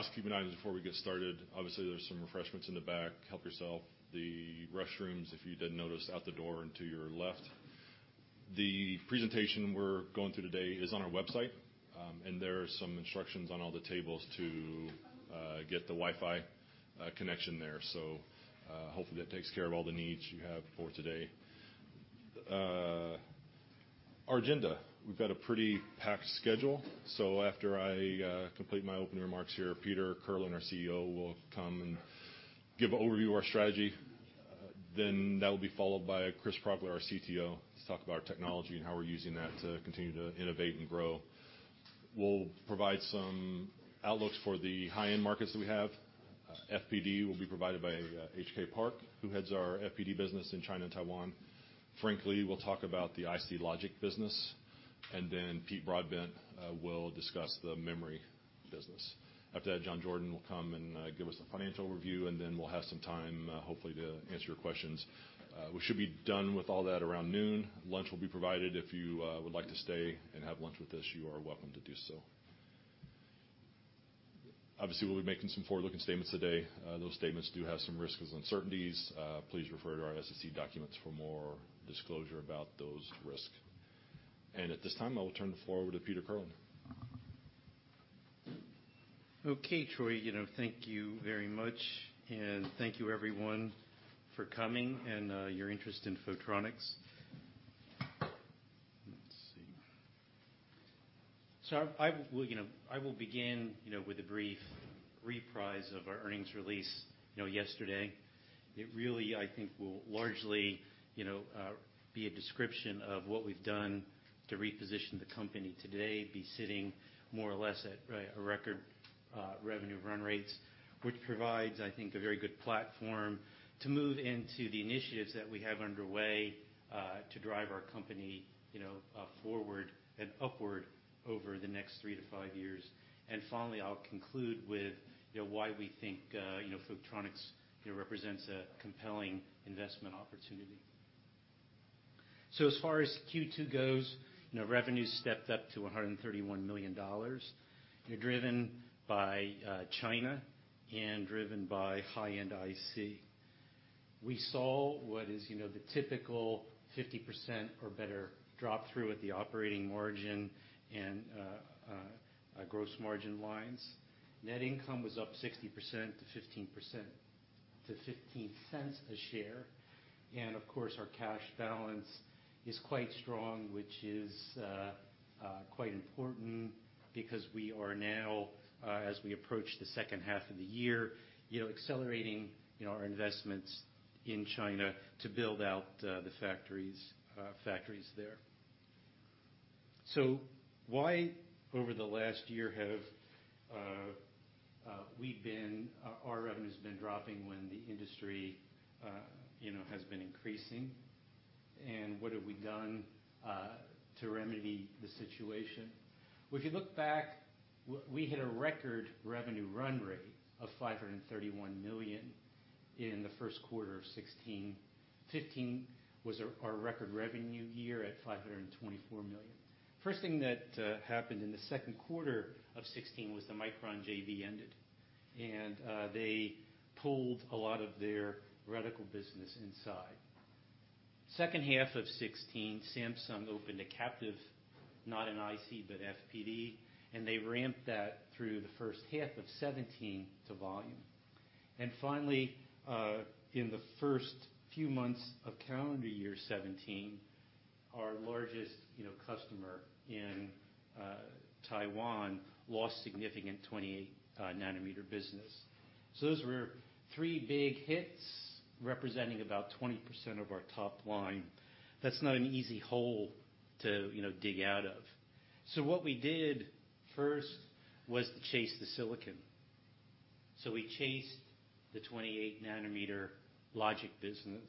So thanks to all of you for taking time to spend a little bit of time with us today. Just a few housekeeping items before we get started. Obviously, there's some refreshments in the back. Help yourself. The restrooms, if you didn't notice, are out the door and to your left. The presentation we're going through today is on our website, and there are some instructions on all the tables to get the Wi-Fi connection there. So hopefully, that takes care of all the needs you have for today. Our agenda: we've got a pretty packed schedule. So after I complete my opening remarks here, Peter Kirlin, our CEO, will come and give an overview of our strategy. Then that will be followed by Chris Progler, our CTO, to talk about our technology and how we're using that to continue to innovate and grow. We'll provide some outlooks for the high-end markets that we have. FPD will be provided by H.K. Park, who heads our FPD business in China and Taiwan. Frank Lee, we'll talk about the IC Logic business. And then Pete Broadbent will discuss the memory business. After that, John Jordan will come and give us a financial overview. And then we'll have some time, hopefully, to answer your questions. We should be done with all that around noon. Lunch will be provided. If you would like to stay and have lunch with us, you are welcome to do so. Obviously, we'll be making some forward-looking statements today. Those statements do have some risks and uncertainties. Please refer to our SEC documents for more disclosure about those risks. And at this time, I will turn the floor over to Peter Kirlin. Okay, Troy, thank you very much. And thank you, everyone, for coming and your interest in Photronics. Let's see. So I will begin with a brief reprise of our earnings release yesterday. It really, I think, will largely be a description of what we've done to reposition the company today, be sitting more or less at our record revenue run rates, which provides, I think, a very good platform to move into the initiatives that we have underway to drive our company forward and upward over the next three to five years. And finally, I'll conclude with why we think Photronics represents a compelling investment opportunity. So as far as Q2 goes, revenues stepped up to $131 million, driven by China and driven by high-end IC. We saw what is the typical 50% or better drop-through at the operating margin and gross margin lines. Net income was up 60% to $0.15 a share. And of course, our cash balance is quite strong, which is quite important because we are now, as we approach the second half of the year, accelerating our investments in China to build out the factories there. So why, over the last year, have our revenues been dropping when the industry has been increasing? And what have we done to remedy the situation? Well, if you look back, we hit a record revenue run rate of $531 million in the first quarter of 2016. 2015 was our record revenue year at $524 million. First thing that happened in the second quarter of 2016 was the Micron JV ended. And they pulled a lot of their reticle business inside. Second half of 2016, Samsung opened a captive, not an IC, but FPD. They ramped that through the first half of 2017 to volume. Finally, in the first few months of calendar year 2017, our largest customer in Taiwan lost significant 28-nanometer business. Those were three big hits representing about 20% of our top line. That's not an easy hole to dig out of. What we did first was to chase the silicon. We chased the 28-nanometer logic business.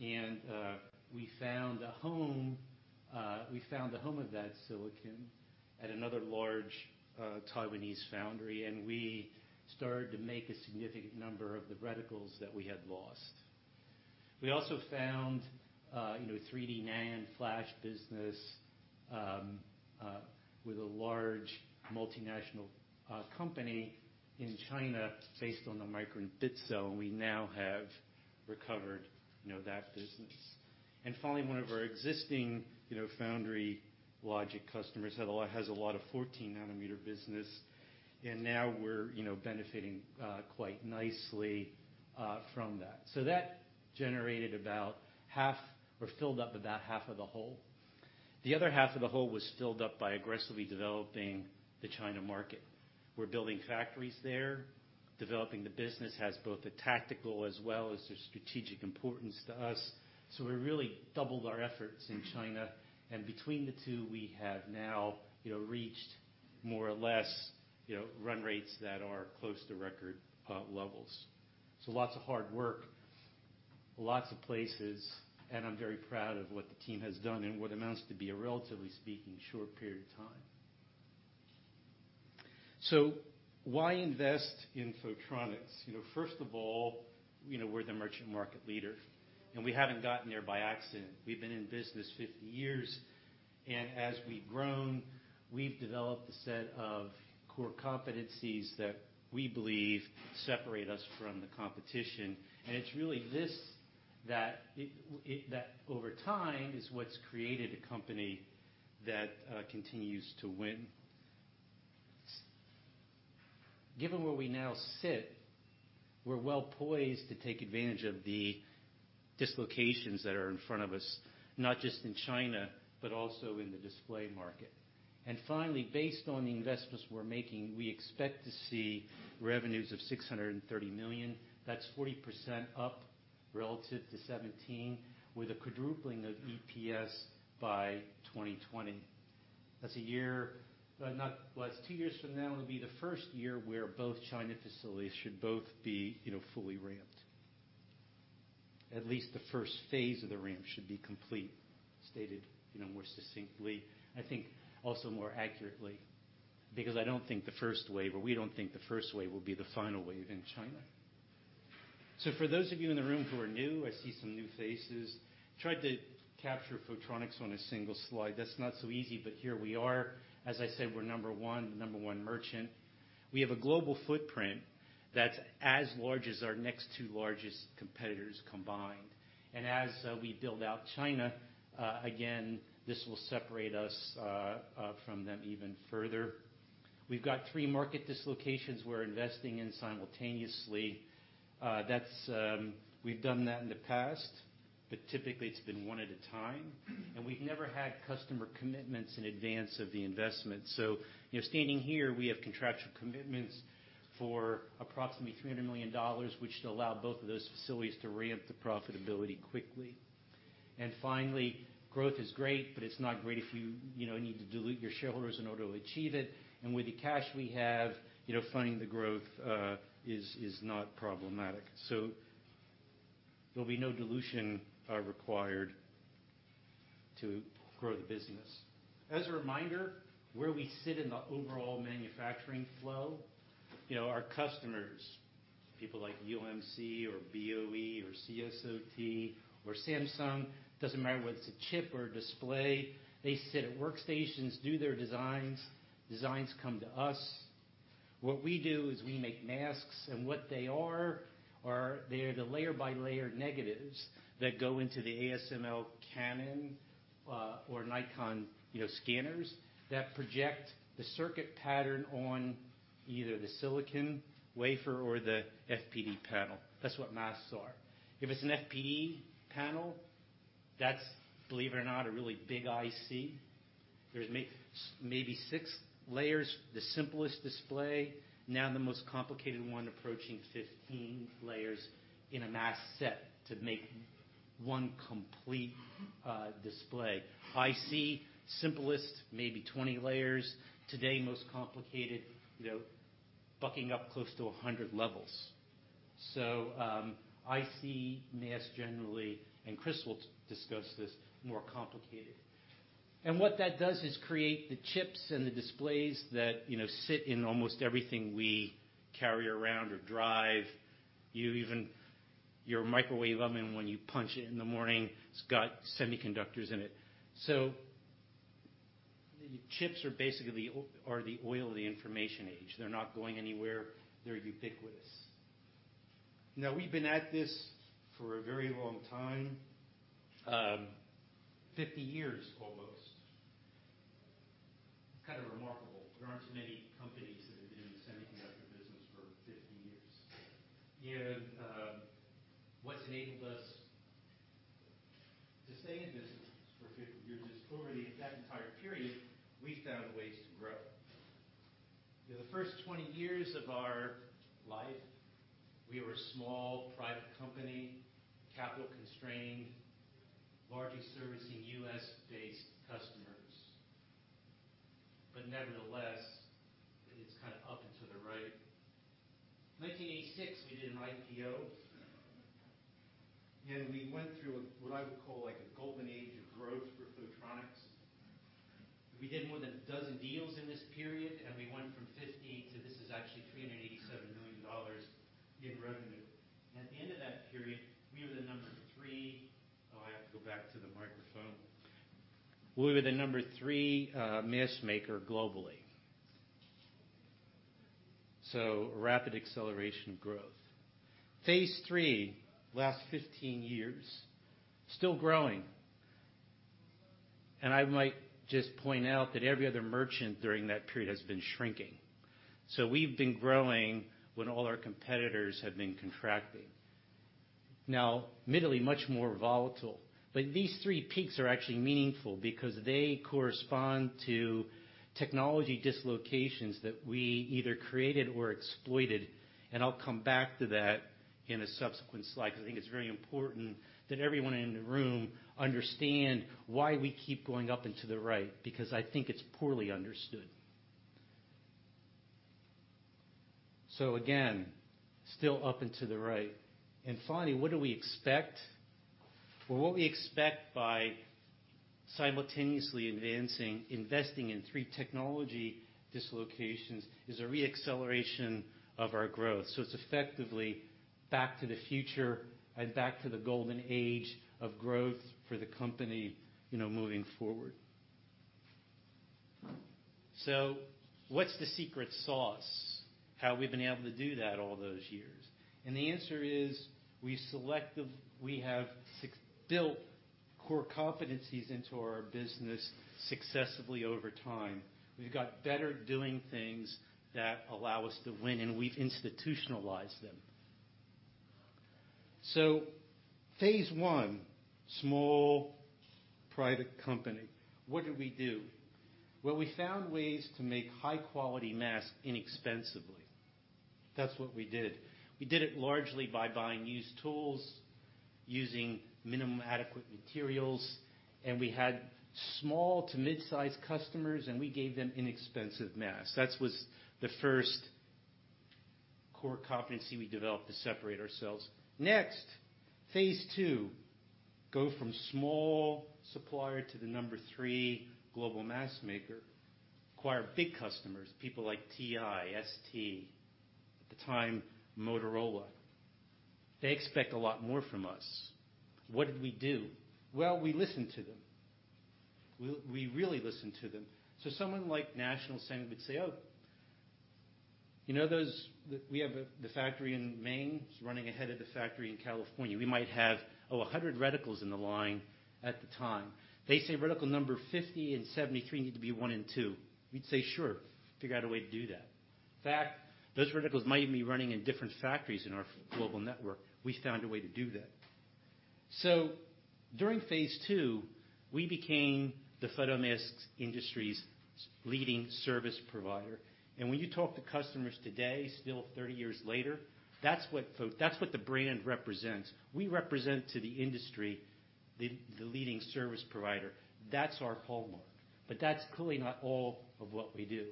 We found the home of that silicon at another large Taiwanese foundry. We started to make a significant number of the reticles that we had lost. We also found a 3D NAND flash business with a large multinational company in China based on the Micron bit cell. We now have recovered that business. Finally, one of our existing foundry logic customers has a lot of 14-nanometer business. Now we're benefiting quite nicely from that. So that generated about half, or filled up about half, of the hole. The other half of the hole was filled up by aggressively developing the China market. We're building factories there. Developing the business has both a tactical as well as a strategic importance to us. So we really doubled our efforts in China. And between the two, we have now reached more or less run rates that are close to record levels. So lots of hard work, lots of places. And I'm very proud of what the team has done and what amounts to be a relatively speaking short period of time. So why invest in Photronics? First of all, we're the merchant market leader. And we haven't gotten there by accident. We've been in business 50 years. And as we've grown, we've developed a set of core competencies that we believe separate us from the competition. It's really this that, over time, is what's created a company that continues to win. Given where we now sit, we're well poised to take advantage of the dislocations that are in front of us, not just in China, but also in the display market. Finally, based on the investments we're making, we expect to see revenues of $630 million. That's 40% up relative to 2017, with a quadrupling of EPS by 2020. That's a year, well, it's two years from now. It'll be the first year where both China facilities should be fully ramped. At least the first phase of the ramp should be complete, stated more succinctly, I think, also more accurately. Because I don't think the first wave or we don't think the first wave will be the final wave in China. So for those of you in the room who are new, I see some new faces. Tried to capture Photronics on a single slide. That's not so easy. But here we are. As I said, we're number one, the number one merchant. We have a global footprint that's as large as our next two largest competitors combined. And as we build out China, again, this will separate us from them even further. We've got three market dislocations we're investing in simultaneously. We've done that in the past, but typically, it's been one at a time. And we've never had customer commitments in advance of the investment. So standing here, we have contractual commitments for approximately $300 million, which should allow both of those facilities to ramp the profitability quickly. And finally, growth is great, but it's not great if you need to dilute your shareholders in order to achieve it. And with the cash we have, funding the growth is not problematic. So there'll be no dilution required to grow the business. As a reminder, where we sit in the overall manufacturing flow, our customers, people like UMC or BOE or CSOT or Samsung, doesn't matter whether it's a chip or a display, they sit at workstations, do their designs. Designs come to us. What we do is we make masks. And what they are, they're the layer-by-layer negatives that go into the ASML Canon or Nikon scanners that project the circuit pattern on either the silicon wafer or the FPD panel. That's what masks are. If it's an FPD panel, that's, believe it or not, a really big IC. There's maybe six layers, the simplest display, now the most complicated one approaching 15 layers in a mask set to make one complete display. IC, simplest, maybe 20 layers. Today, most complicated, bucking up close to 100 levels, so IC masks generally, and Chris will discuss this, more complicated, and what that does is create the chips and the displays that sit in almost everything we carry around or drive. Your microwave oven, when you punch it in the morning, it's got semiconductors in it, so the chips are basically the oil of the information age. They're not going anywhere. They're ubiquitous. Now, we've been at this for a very long time, 50 years almost. It's kind of remarkable. There aren't too many companies that have been in the semiconductor business for 50 years, and what's enabled us to stay in business for 50 years is, over that entire period, we found ways to grow. The first 20 years of our life, we were a small private company, capital-constrained, largely servicing U.S.-based customers. But nevertheless, it's kind of up and to the right. In 1986, we did an IPO. And we went through what I would call a golden age of growth for Photronics. We did more than a dozen deals in this period. And we went from 50 to, this is actually $387 million in revenue. And at the end of that period, we were the number three. Oh, I have to go back to the microphone. We were the number three mask maker globally. So rapid acceleration growth. Phase III last 15 years, still growing. And I might just point out that every other merchant during that period has been shrinking. So we've been growing when all our competitors have been contracting. Now, middle is much more volatile. But these three peaks are actually meaningful because they correspond to technology dislocations that we either created or exploited. I'll come back to that in a subsequent slide because I think it's very important that everyone in the room understand why we keep going up and to the right because I think it's poorly understood. So again, still up and to the right. And finally, what do we expect? Well, what we expect by simultaneously investing in three technology dislocations is a re-acceleration of our growth. So it's effectively back to the future and back to the golden age of growth for the company moving forward. So what's the secret sauce? How have we been able to do that all those years? And the answer is we have built core competencies into our business successfully over time. We've got better doing things that allow us to win. And we've institutionalized them. So phase one, small private company. What did we do? We found ways to make high-quality masks inexpensively. That's what we did. We did it largely by buying used tools, using minimum adequate materials. And we had small to mid-sized customers. And we gave them inexpensive masks. That was the first core competency we developed to separate ourselves. Next, phase two, go from small supplier to the number three global mask maker, acquire big customers, people like TI, ST, at the time, Motorola. They expect a lot more from us. What did we do? We listened to them. We really listened to them. So someone like National Semi would say, "Oh, we have the factory in Maine. It's running ahead of the factory in California. We might have, oh, 100 reticles in the line at the time." They say, "Reticle number 50 and 73 need to be one and two." We'd say, "Sure. Figure out a way to do that." In fact, those reticles might even be running in different factories in our global network. We found a way to do that. So during phase two, we became the photomask industry's leading service provider. And when you talk to customers today, still 30 years later, that's what the brand represents. We represent to the industry the leading service provider. That's our hallmark. But that's clearly not all of what we do.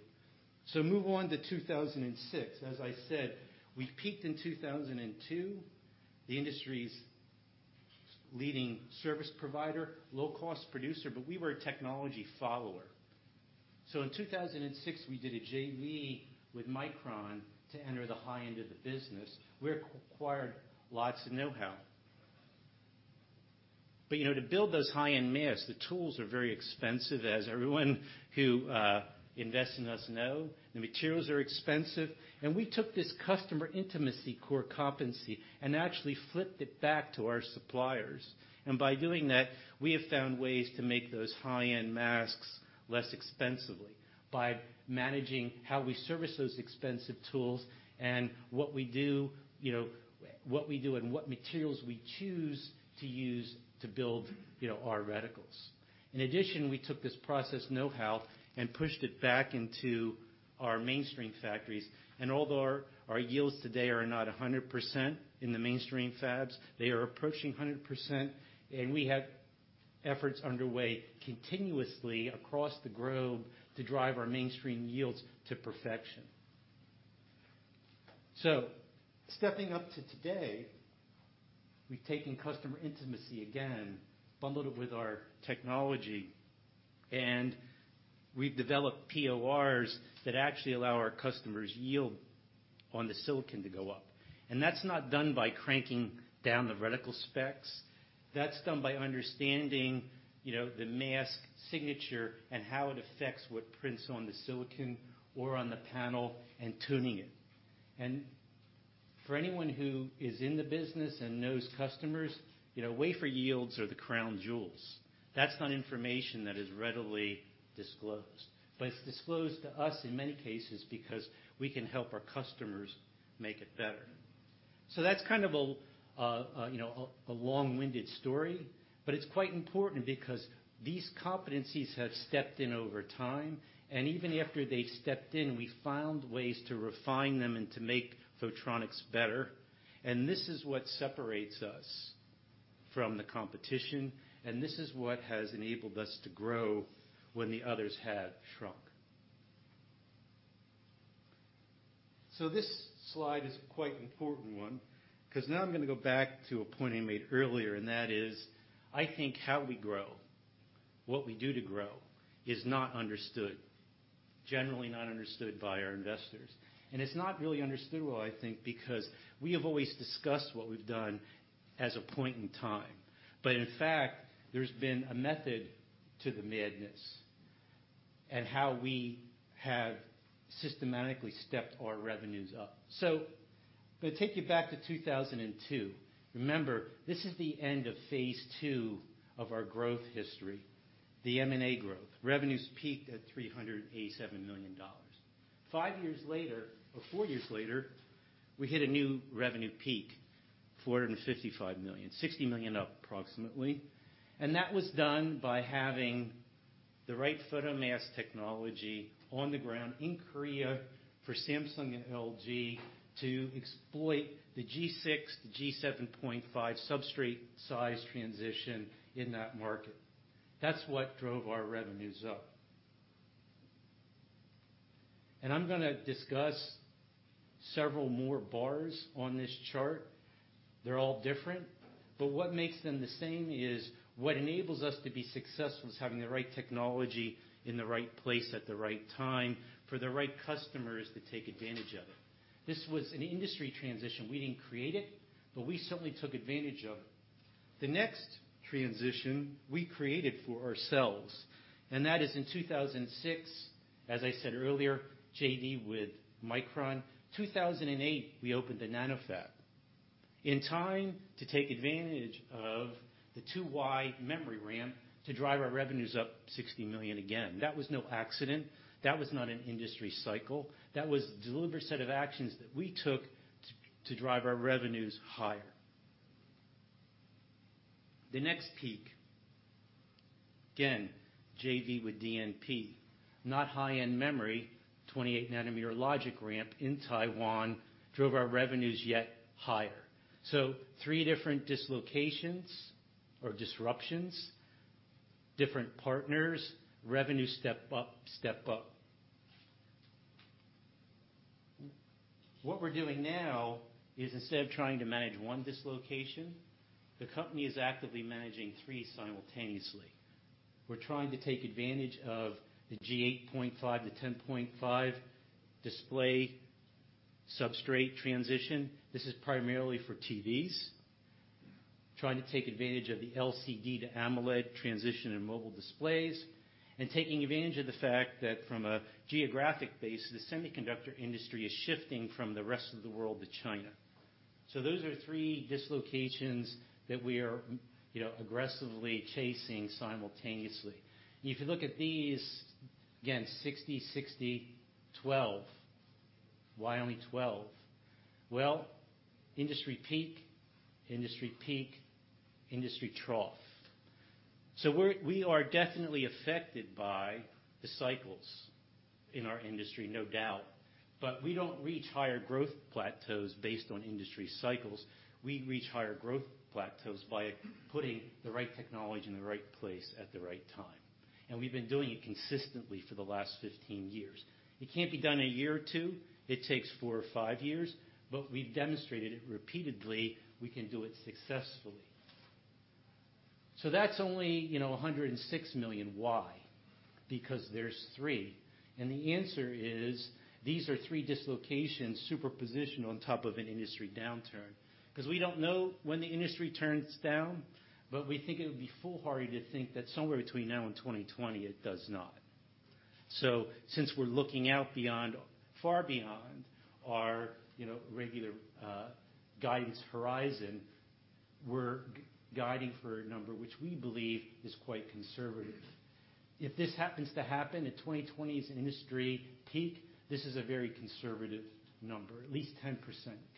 So move on to 2006. As I said, we peaked in 2002, the industry's leading service provider, low-cost producer. But we were a technology follower. So in 2006, we did a JV with Micron to enter the high end of the business. We acquired lots of know-how. But to build those high-end masks, the tools are very expensive, as everyone who invests in us know. The materials are expensive. And we took this customer intimacy core competency and actually flipped it back to our suppliers. And by doing that, we have found ways to make those high-end masks less expensively by managing how we service those expensive tools and what we do and what materials we choose to use to build our reticles. In addition, we took this process know-how and pushed it back into our mainstream factories. And although our yields today are not 100% in the mainstream fabs, they are approaching 100%. And we have efforts underway continuously across the globe to drive our mainstream yields to perfection. So stepping up to today, we've taken customer intimacy again, bundled it with our technology. And we've developed PORs that actually allow our customers' yield on the silicon to go up. And that's not done by cranking down the reticle specs. That's done by understanding the mask signature and how it affects what prints on the silicon or on the panel and tuning it. And for anyone who is in the business and knows customers, wafer yields are the crown jewels. That's not information that is readily disclosed. But it's disclosed to us in many cases because we can help our customers make it better. So that's kind of a long-winded story. But it's quite important because these competencies have stepped in over time. And even after they've stepped in, we found ways to refine them and to make Photronics better. And this is what separates us from the competition. And this is what has enabled us to grow when the others have shrunk. So this slide is a quite important one because now I'm going to go back to a point I made earlier. That is, I think, how we grow, what we do to grow, is not understood, generally not understood by our investors. It's not really understood, well, I think, because we have always discussed what we've done as a point in time. But in fact, there's been a method to the madness and how we have systematically stepped our revenues up. I'm going to take you back to 2002. Remember, this is the end of phase two of our growth history, the M&A growth. Revenues peaked at $387 million. Five years later or four years later, we hit a new revenue peak, $455 million, $60 million up approximately. That was done by having the right photomask technology on the ground in Korea for Samsung and LG to exploit the G6, the G7.5 substrate-sized transition in that market. That's what drove our revenues up. And I'm going to discuss several more bars on this chart. They're all different. But what makes them the same is what enables us to be successful is having the right technology in the right place at the right time for the right customers to take advantage of it. This was an industry transition. We didn't create it, but we certainly took advantage of it. The next transition we created for ourselves, and that is in 2006, as I said earlier, JV with Micron. 2008, we opened the nanoFab in time to take advantage of the DRAM to drive our revenues up $60 million again. That was no accident. That was not an industry cycle. That was a deliberate set of actions that we took to drive our revenues higher. The next peak, again, JV with DNP, not high-end memory, 28-nanometer logic ramp in Taiwan drove our revenues yet higher. So three different dislocations or disruptions, different partners, revenue step up, step up. What we're doing now is instead of trying to manage one dislocation, the company is actively managing three simultaneously. We're trying to take advantage of the G8.5 to G10.5 display substrate transition. This is primarily for TVs. Trying to take advantage of the LCD to AMOLED transition in mobile displays and taking advantage of the fact that from a geographic base, the semiconductor industry is shifting from the rest of the world to China. So those are three dislocations that we are aggressively chasing simultaneously. If you look at these, again, 60, 60, 12, why only 12? Well, industry peak, industry peak, industry trough. So we are definitely affected by the cycles in our industry, no doubt. But we don't reach higher growth plateaus based on industry cycles. We reach higher growth plateaus by putting the right technology in the right place at the right time. And we've been doing it consistently for the last 15 years. It can't be done in a year or two. It takes four or five years. But we've demonstrated it repeatedly. We can do it successfully. So that's only $106 million why because there's three. And the answer is these are three dislocations superimposed on top of an industry downturn because we don't know when the industry turns down. But we think it would be foolhardy to think that somewhere between now and 2020, it does not. So since we're looking out far beyond our regular guidance horizon, we're guiding for a number which we believe is quite conservative. If this happens to happen at 2020's industry peak, this is a very conservative number, at least 10%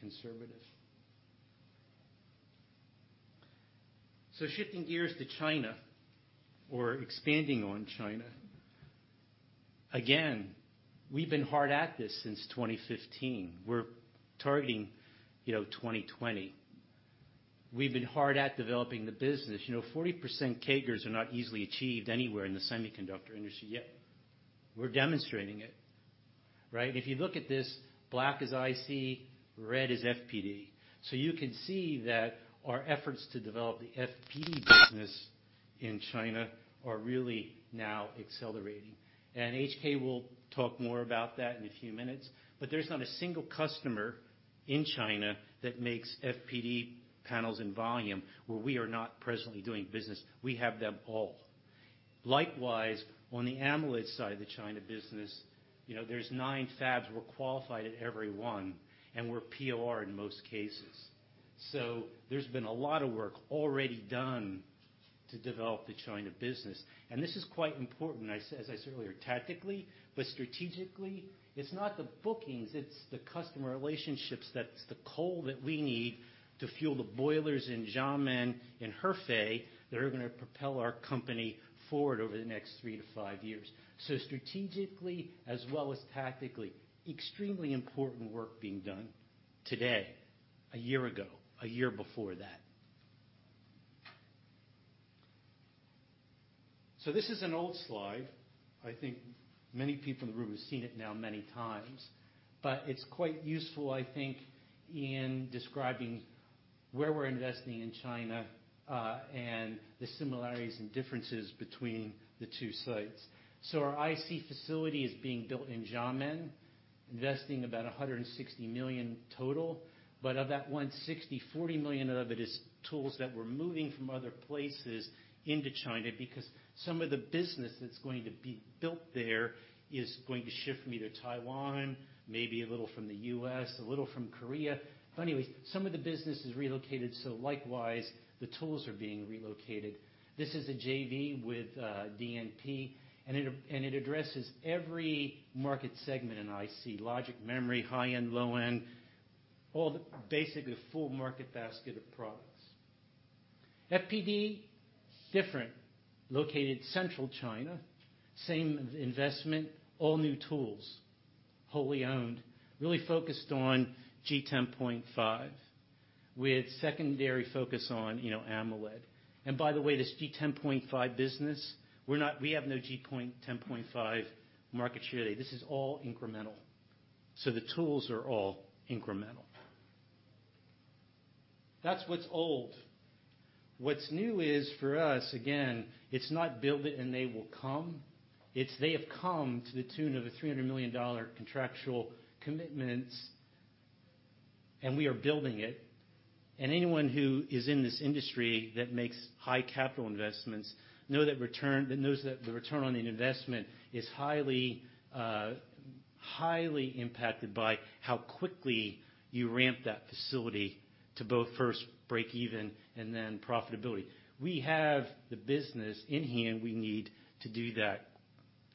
conservative. Shifting gears to China or expanding on China. Again, we've been hard at this since 2015. We're targeting 2020. We've been hard at developing the business. 40% CAGRs are not easily achieved anywhere in the semiconductor industry yet. We're demonstrating it. Right? And if you look at this, black is IC, red is FPD. So you can see that our efforts to develop the FPD business in China are really now accelerating. And H.K. will talk more about that in a few minutes. But there's not a single customer in China that makes FPD panels in volume where we are not presently doing business. We have them all. Likewise, on the AMOLED side, the China business, there's nine fabs. We're qualified at every one. And we're POR in most cases. So there's been a lot of work already done to develop the China business. And this is quite important, as I said earlier, tactically, but strategically. It's not the bookings. It's the customer relationships. That's the coal that we need to fuel the boilers in Xiamen and Hefei that are going to propel our company forward over the next three to five years. So strategically as well as tactically, extremely important work being done today, a year ago, a year before that. So this is an old slide. I think many people in the room have seen it now many times. But it's quite useful, I think, in describing where we're investing in China and the similarities and differences between the two sites. So our IC facility is being built in Xiamen, investing about $160 million total. But of that $160 million, $40 million of it is tools that we're moving from other places into China because some of the business that's going to be built there is going to shift from either Taiwan, maybe a little from the U.S., a little from Korea. But anyways, some of the business is relocated. So likewise, the tools are being relocated. This is a JV with DNP. And it addresses every market segment in IC: logic, memory, high-end, low-end, all basically a full market basket of products. FPD, different, located central China, same investment, all new tools, wholly owned, really focused on G10.5 with secondary focus on AMOLED. And by the way, this G10.5 business, we have no G10.5 market share today. This is all incremental. So the tools are all incremental. That's what's old. What's new is for us, again, it's not build it and they will come. They have come to the tune of a $300 million contractual commitments, and we are building it, and anyone who is in this industry that makes high capital investments knows that the return on the investment is highly impacted by how quickly you ramp that facility to both first break even and then profitability. We have the business in hand. We need to do that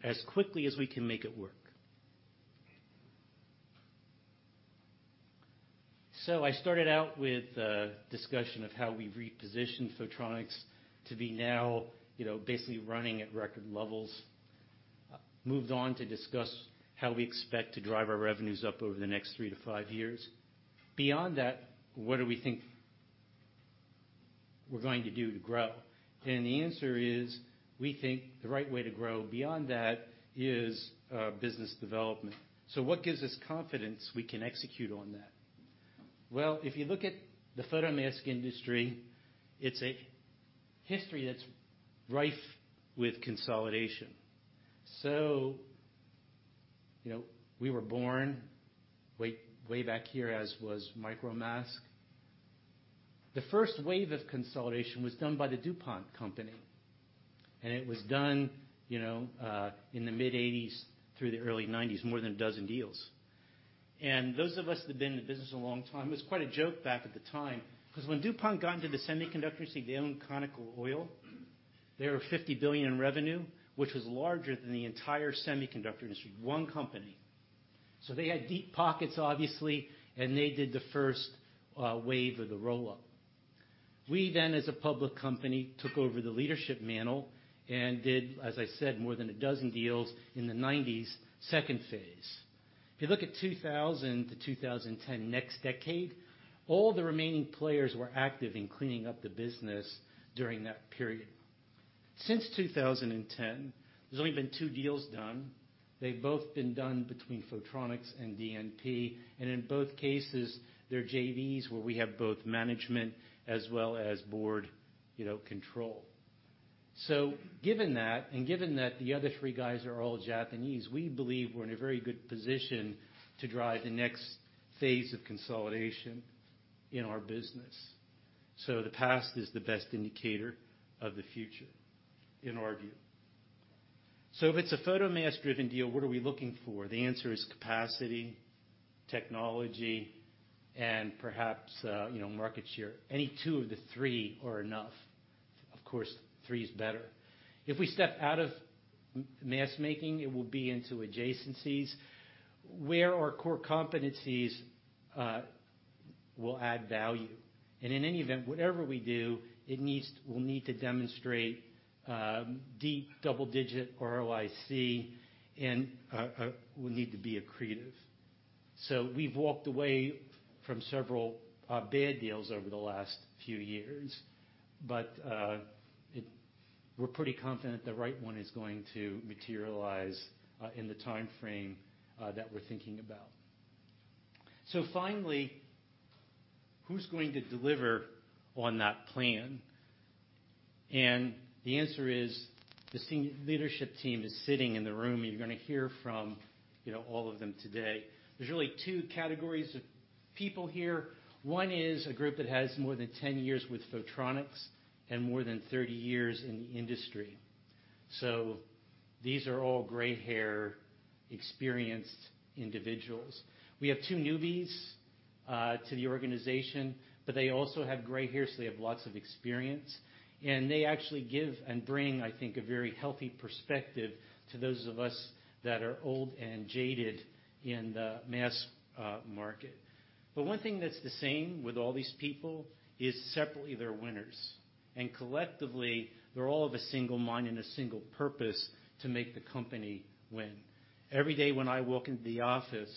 as quickly as we can make it work, so I started out with a discussion of how we repositioned Photronics to be now basically running at record levels, moved on to discuss how we expect to drive our revenues up over the next three-to-five years. Beyond that, what do we think we're going to do to grow, and the answer is we think the right way to grow beyond that is business development. What gives us confidence we can execute on that? Well, if you look at the photomask industry, it's a history that's rife with consolidation. We were born way back here, as was Micron Mask. The first wave of consolidation was done by the DuPont company. It was done in the mid-1980s through the early 1990s, more than a dozen deals. Those of us that have been in the business a long time, it was quite a joke back at the time because when DuPont got into the semiconductor industry, they owned Conoco Oil. They were $50 billion in revenue, which was larger than the entire semiconductor industry, one company. They had deep pockets, obviously, and they did the first wave of the roll-up. We then, as a public company, took over the leadership mantle and did, as I said, more than a dozen deals in the 1990s second phase. If you look at 2000-2010 next decade, all the remaining players were active in cleaning up the business during that period. Since 2010, there's only been two deals done. They've both been done between Photronics and DNP. And in both cases, they're JVs where we have both management as well as board control, so given that and given that the other three guys are all Japanese, we believe we're in a very good position to drive the next phase of consolidation in our business, so the past is the best indicator of the future in our view, so if it's a photomask-driven deal, what are we looking for? The answer is capacity, technology, and perhaps market share. Any two of the three are enough. Of course, three is better. If we step out of mask making, it will be into adjacencies where our core competencies will add value. And in any event, whatever we do, we'll need to demonstrate deep double-digit ROIC and will need to be accretive. So we've walked away from several bad deals over the last few years. But we're pretty confident the right one is going to materialize in the timeframe that we're thinking about. So finally, who's going to deliver on that plan? And the answer is the senior leadership team is sitting in the room. You're going to hear from all of them today. There's really two categories of people here. One is a group that has more than 10 years with Photronics and more than 30 years in the industry. So these are all gray hair, experienced individuals. We have two newbies to the organization, but they also have gray hair, so they have lots of experience. And they actually give and bring, I think, a very healthy perspective to those of us that are old and jaded in the mass market. But one thing that's the same with all these people is separately, they're winners. And collectively, they're all of a single mind and a single purpose to make the company win. Every day when I walk into the office,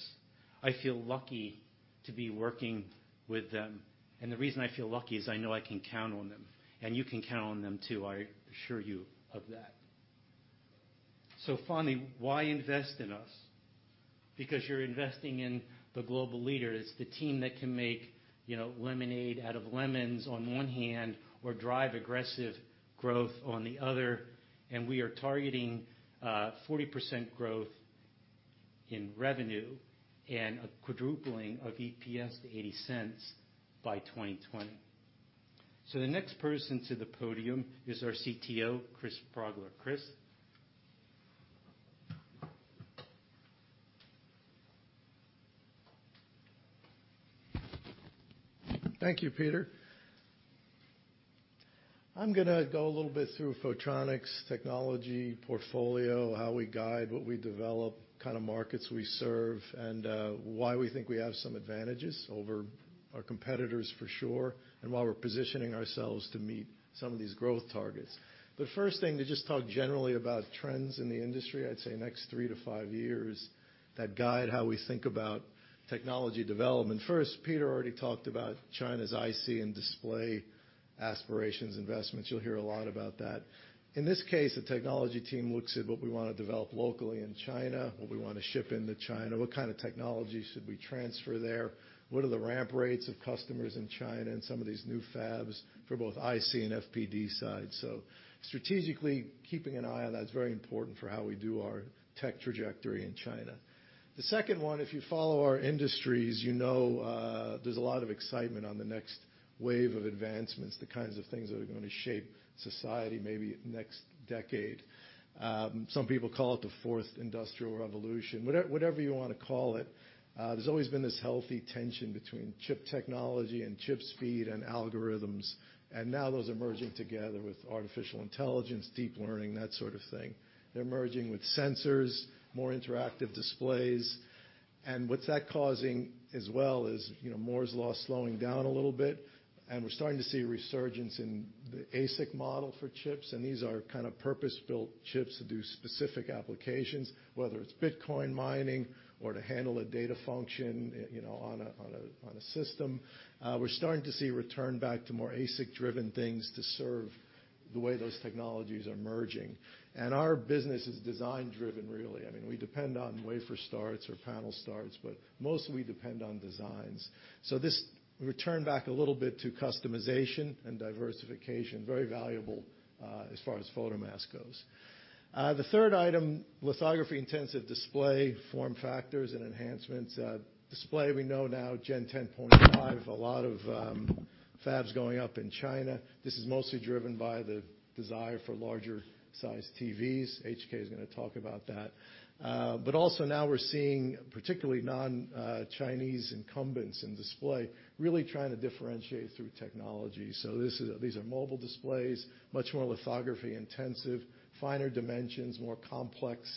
I feel lucky to be working with them. And the reason I feel lucky is I know I can count on them. And you can count on them too. I assure you of that. So finally, why invest in us? Because you're investing in the global leader. It's the team that can make lemonade out of lemons on one hand or drive aggressive growth on the other. We are targeting 40% growth in revenue and a quadrupling of EPS to $0.80 by 2020. So the next person to the podium is our CTO, Chris Progler. Chris. Thank you, Peter. I'm going to go a little bit through Photronics' technology portfolio, how we guide what we develop, kind of markets we serve, and why we think we have some advantages over our competitors for sure, and why we're positioning ourselves to meet some of these growth targets. But first thing, to just talk generally about trends in the industry, I'd say next three to five years that guide how we think about technology development. First, Peter already talked about China's IC and display aspirations, investments. You'll hear a lot about that. In this case, the technology team looks at what we want to develop locally in China, what we want to ship into China, what kind of technology should we transfer there, what are the ramp rates of customers in China and some of these new fabs for both IC and FPD side. So strategically, keeping an eye on that is very important for how we do our tech trajectory in China. The second one, if you follow our industries, you know there's a lot of excitement on the next wave of advancements, the kinds of things that are going to shape society maybe next decade. Some people call it the fourth industrial revolution. Whatever you want to call it, there's always been this healthy tension between chip technology and chip speed and algorithms. And now those are merging together with artificial intelligence, deep learning, that sort of thing. They're merging with sensors, more interactive displays. And what's that causing as well is Moore's Law slowing down a little bit. And we're starting to see a resurgence in the ASIC model for chips. And these are kind of purpose-built chips to do specific applications, whether it's Bitcoin mining or to handle a data function on a system. We're starting to see a return back to more ASIC-driven things to serve the way those technologies are merging. And our business is design-driven, really. I mean, we depend on wafer starts or panel starts, but mostly we depend on designs. So this return back a little bit to customization and diversification, very valuable as far as Photronics goes. The third item, lithography-intensive display form factors and enhancements. Display, we know now Gen 10.5, a lot of fabs going up in China. This is mostly driven by the desire for larger-sized TVs. H.K. is going to talk about that, but also now we're seeing particularly non-Chinese incumbents in display really trying to differentiate through technology, so these are mobile displays, much more lithography-intensive, finer dimensions, more complex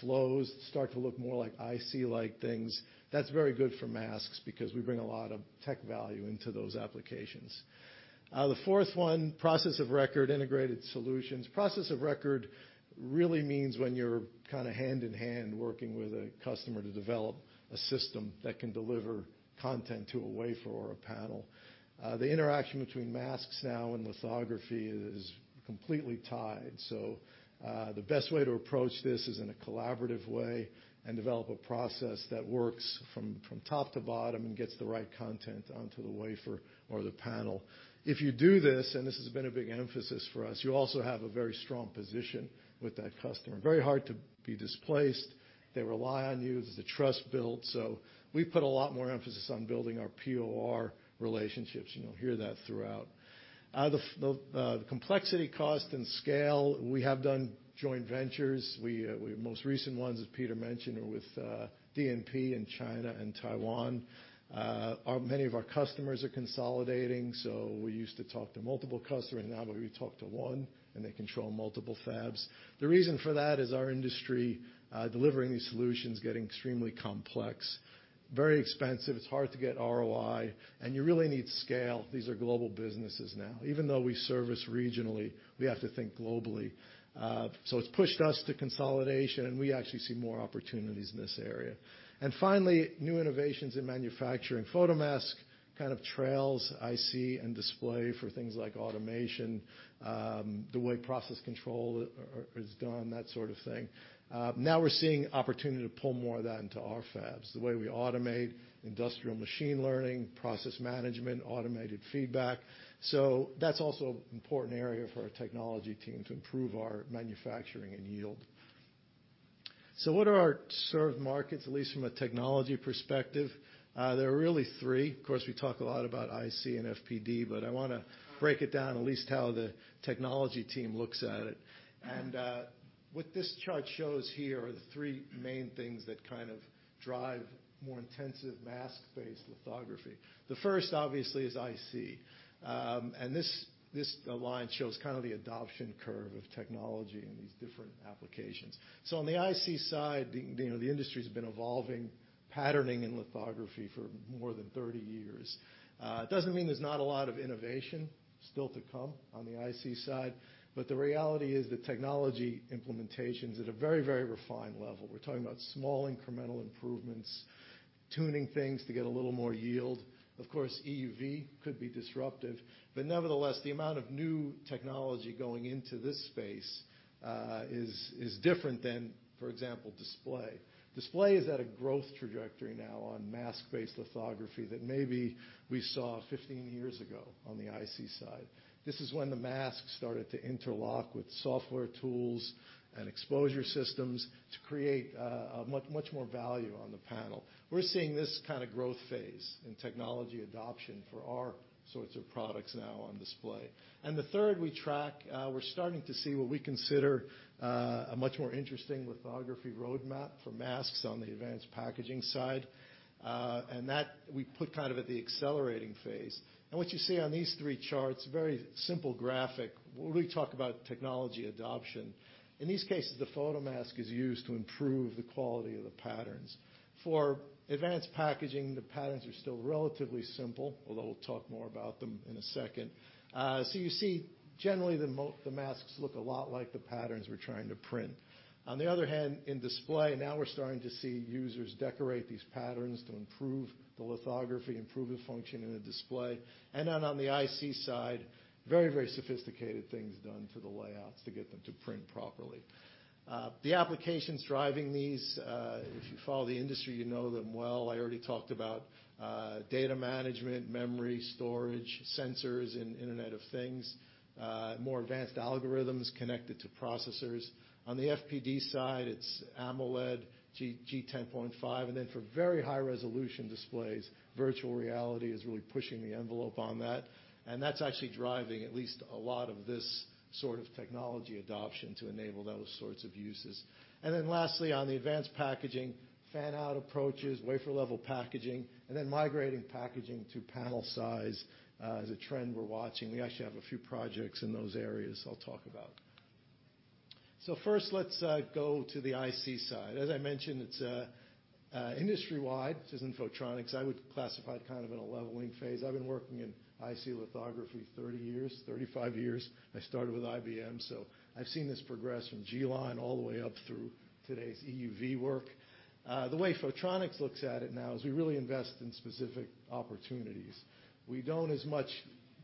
flows, start to look more like IC-like things. That's very good for masks because we bring a lot of tech value into those applications. The fourth one, process of record integrated solutions. Process of record really means when you're kind of hand in hand working with a customer to develop a system that can deliver content to a wafer or a panel. The interaction between masks now and lithography is completely tied, so the best way to approach this is in a collaborative way and develop a process that works from top to bottom and gets the right content onto the wafer or the panel. If you do this, and this has been a big emphasis for us, you also have a very strong position with that customer. Very hard to be displaced. They rely on you. There's a trust built. So we put a lot more emphasis on building our POR relationships. You'll hear that throughout. The complexity, cost, and scale. We have done joint ventures. The most recent ones, as Peter mentioned, are with DNP in China and Taiwan. Many of our customers are consolidating. So we used to talk to multiple customers. Now we talk to one, and they control multiple fabs. The reason for that is our industry delivering these solutions getting extremely complex, very expensive. It's hard to get ROI, and you really need scale. These are global businesses now. Even though we service regionally, we have to think globally. So it's pushed us to consolidation, and we actually see more opportunities in this area. And finally, new innovations in manufacturing. Photomask kind of trails IC and display for things like automation, the way process control is done, that sort of thing. Now we're seeing opportunity to pull more of that into our fabs, the way we automate industrial machine learning, process management, automated feedback. So that's also an important area for our technology team to improve our manufacturing and yield. So what are our served markets, at least from a technology perspective? There are really three. Of course, we talk a lot about IC and FPD, but I want to break it down at least how the technology team looks at it. And what this chart shows here are the three main things that kind of drive more intensive mask-based lithography. The first, obviously, is IC. This line shows kind of the adoption curve of technology in these different applications. On the IC side, the industry has been evolving patterning in lithography for more than 30 years. It doesn't mean there's not a lot of innovation still to come on the IC side. The reality is the technology implementations at a very, very refined level. We're talking about small incremental improvements, tuning things to get a little more yield. Of course, EUV could be disruptive. Nevertheless, the amount of new technology going into this space is different than, for example, display. Display is at a growth trajectory now on mask-based lithography that maybe we saw 15 years ago on the IC side. This is when the masks started to interlock with software tools and exposure systems to create much more value on the panel. We're seeing this kind of growth phase in technology adoption for our sorts of products now on display. And the third we track, we're starting to see what we consider a much more interesting lithography roadmap for masks on the advanced packaging side. And that we put kind of at the accelerating phase. And what you see on these three charts, very simple graphic, we really talk about technology adoption. In these cases, the Photomask is used to improve the quality of the patterns. For advanced packaging, the patterns are still relatively simple, although we'll talk more about them in a second. So you see, generally, the masks look a lot like the patterns we're trying to print. On the other hand, in display, now we're starting to see users decorate these patterns to improve the lithography, improve the function in the display. And then on the IC side, very, very sophisticated things done to the layouts to get them to print properly. The applications driving these, if you follow the industry, you know them well. I already talked about data management, memory, storage, sensors, and Internet of Things, more advanced algorithms connected to processors. On the FPD side, it's AMOLED, G10.5. And then for very high-resolution displays, virtual reality is really pushing the envelope on that. And that's actually driving at least a lot of this sort of technology adoption to enable those sorts of uses. And then lastly, on the advanced packaging, fan-out approaches, wafer-level packaging, and then migrating packaging to panel size is a trend we're watching. We actually have a few projects in those areas I'll talk about. So first, let's go to the IC side. As I mentioned, it's industry-wide, which is in Photronics. I would classify it kind of in a leveling phase. I've been working in IC lithography 30 years, 35 years. I started with IBM. So I've seen this progress from G-Line all the way up through today's EUV work. The way Photronics looks at it now is we really invest in specific opportunities. We don't as much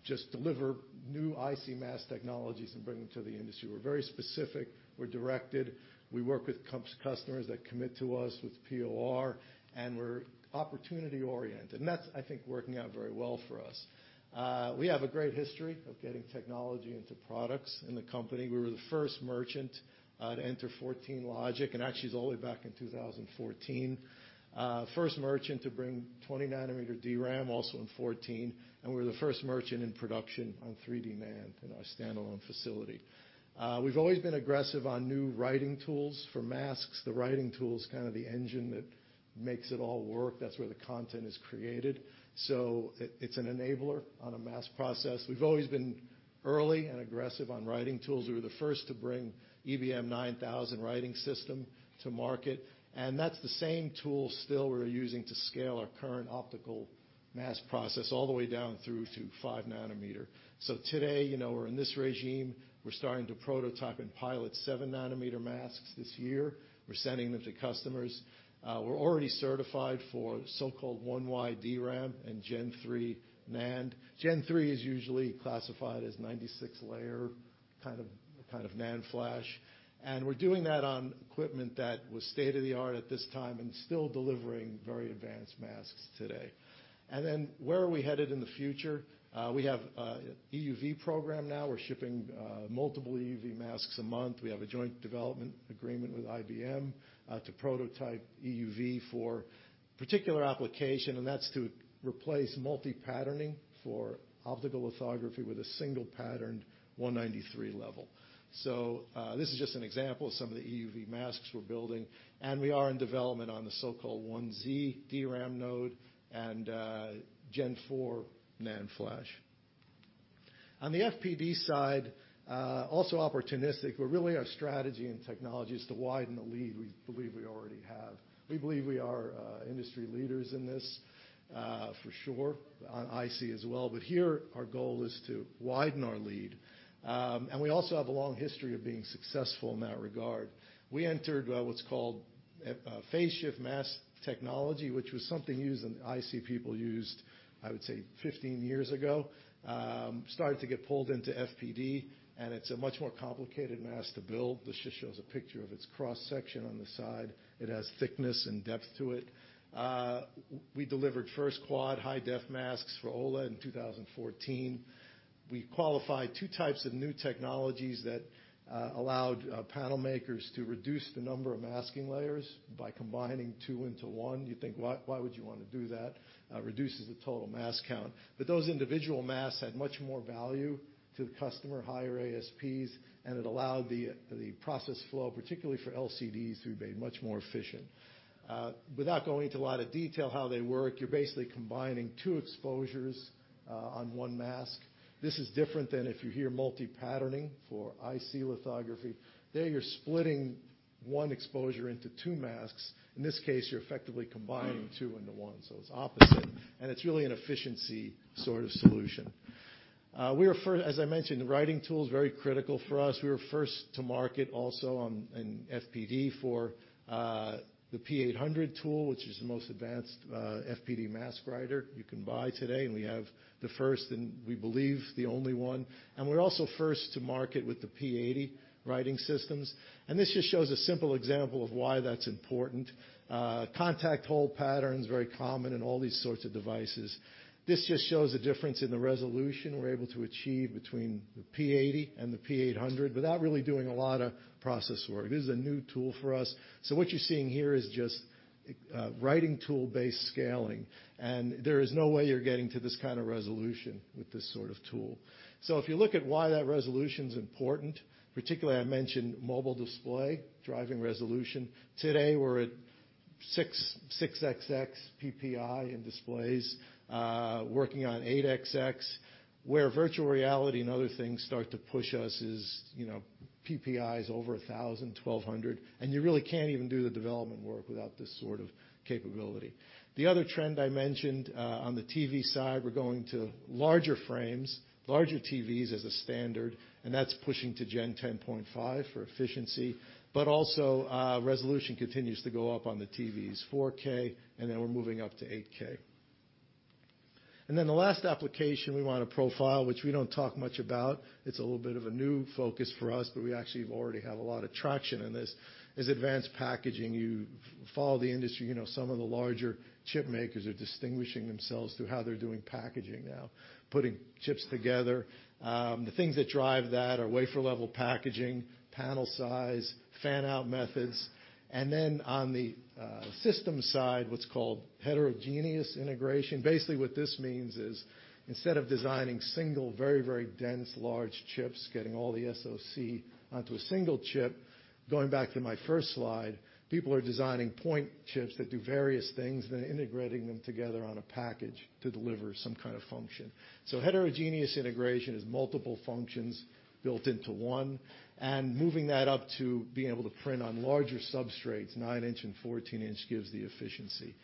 just deliver new IC mask technologies and bring them to the industry. We're very specific. We're directed. We work with customers that commit to us with POR, and we're opportunity-oriented. And that's, I think, working out very well for us. We have a great history of getting technology into products in the company. We were the first merchant to enter 14 logic, and actually it's all the way back in 2014. First merchant to bring 20-nanometer DRAM, also in 2014. We were the first merchant in production on 3D NAND in our standalone facility. We've always been aggressive on new writing tools for masks. The writing tool is kind of the engine that makes it all work. That's where the content is created. So it's an enabler on a mask process. We've always been early and aggressive on writing tools. We were the first to bring EBM-9000 writing system to market. And that's the same tool still we're using to scale our current optical mask process all the way down through to 5-nanometer. So today, we're in this regime. We're starting to prototype and pilot 7-nanometer masks this year. We're sending them to customers. We're already certified for so-called 1y DRAM and Gen 3 NAND. Gen 3 is usually classified as 96-layer kind of NAND flash. And we're doing that on equipment that was state-of-the-art at this time and still delivering very advanced masks today. And then where are we headed in the future? We have an EUV program now. We're shipping multiple EUV masks a month. We have a joint development agreement with IBM to prototype EUV for a particular application. And that's to replace multi-patterning for optical lithography with a single-patterned 193 level. So this is just an example of some of the EUV masks we're building. And we are in development on the so-called 1z DRAM node and Gen 4 NAND flash. On the FPD side, also opportunistic, but really our strategy and technology is to widen the lead we believe we already have. We believe we are industry leaders in this for sure on IC as well. But here, our goal is to widen our lead. And we also have a long history of being successful in that regard. We entered what's called phase shift mask technology, which was something IC people used, I would say, 15 years ago, started to get pulled into FPD. And it's a much more complicated mask to build. This just shows a picture of its cross-section on the side. It has thickness and depth to it. We delivered first Quad High-Def masks for OLED in 2014. We qualified two types of new technologies that allowed panel makers to reduce the number of masking layers by combining two into one. You think, "Why would you want to do that?" It reduces the total mask count. But those individual masks had much more value to the customer, higher ASPs. And it allowed the process flow, particularly for LCDs, to be made much more efficient. Without going into a lot of detail how they work, you're basically combining two exposures on one mask. This is different than if you hear multi-patterning for IC lithography. There you're splitting one exposure into two masks. In this case, you're effectively combining two into one. So it's opposite. And it's really an efficiency sort of solution. We were, as I mentioned, writing tools very critical for us. We were first to market also in FPD for the P-800 tool, which is the most advanced FPD mask writer you can buy today. And we have the first and we believe the only one. And we're also first to market with the P-80 writing systems. And this just shows a simple example of why that's important. Contact hole patterns are very common in all these sorts of devices. This just shows the difference in the resolution we're able to achieve between the P80 and the P800 without really doing a lot of process work. This is a new tool for us. So what you're seeing here is just writing tool-based scaling. And there is no way you're getting to this kind of resolution with this sort of tool. So if you look at why that resolution is important, particularly I mentioned mobile display driving resolution. Today, we're at 6xx PPI in displays, working on 8xx. Where virtual reality and other things start to push us is PPIs over 1,000, 1,200. And you really can't even do the development work without this sort of capability. The other trend I mentioned on the TV side, we're going to larger frames, larger TVs as a standard. And that's pushing to Gen 10.5 for efficiency. But also, resolution continues to go up on the TVs, 4K, and then we're moving up to 8K. And then the last application we want to profile, which we don't talk much about. It's a little bit of a new focus for us, but we actually already have a lot of traction in this, is advanced packaging. You follow the industry. Some of the larger chip makers are distinguishing themselves through how they're doing packaging now, putting chips together. The things that drive that are wafer-level packaging, panel size, fan-out methods. And then on the system side, what's called heterogeneous integration. Basically, what this means is instead of designing single, very, very dense, large chips, getting all the SoC onto a single chip, going back to my first slide, people are designing point chips that do various things and then integrating them together on a package to deliver some kind of function, so heterogeneous integration is multiple functions built into one, and moving that up to being able to print on larger substrates, nine-inch and 14-inch gives the efficiency.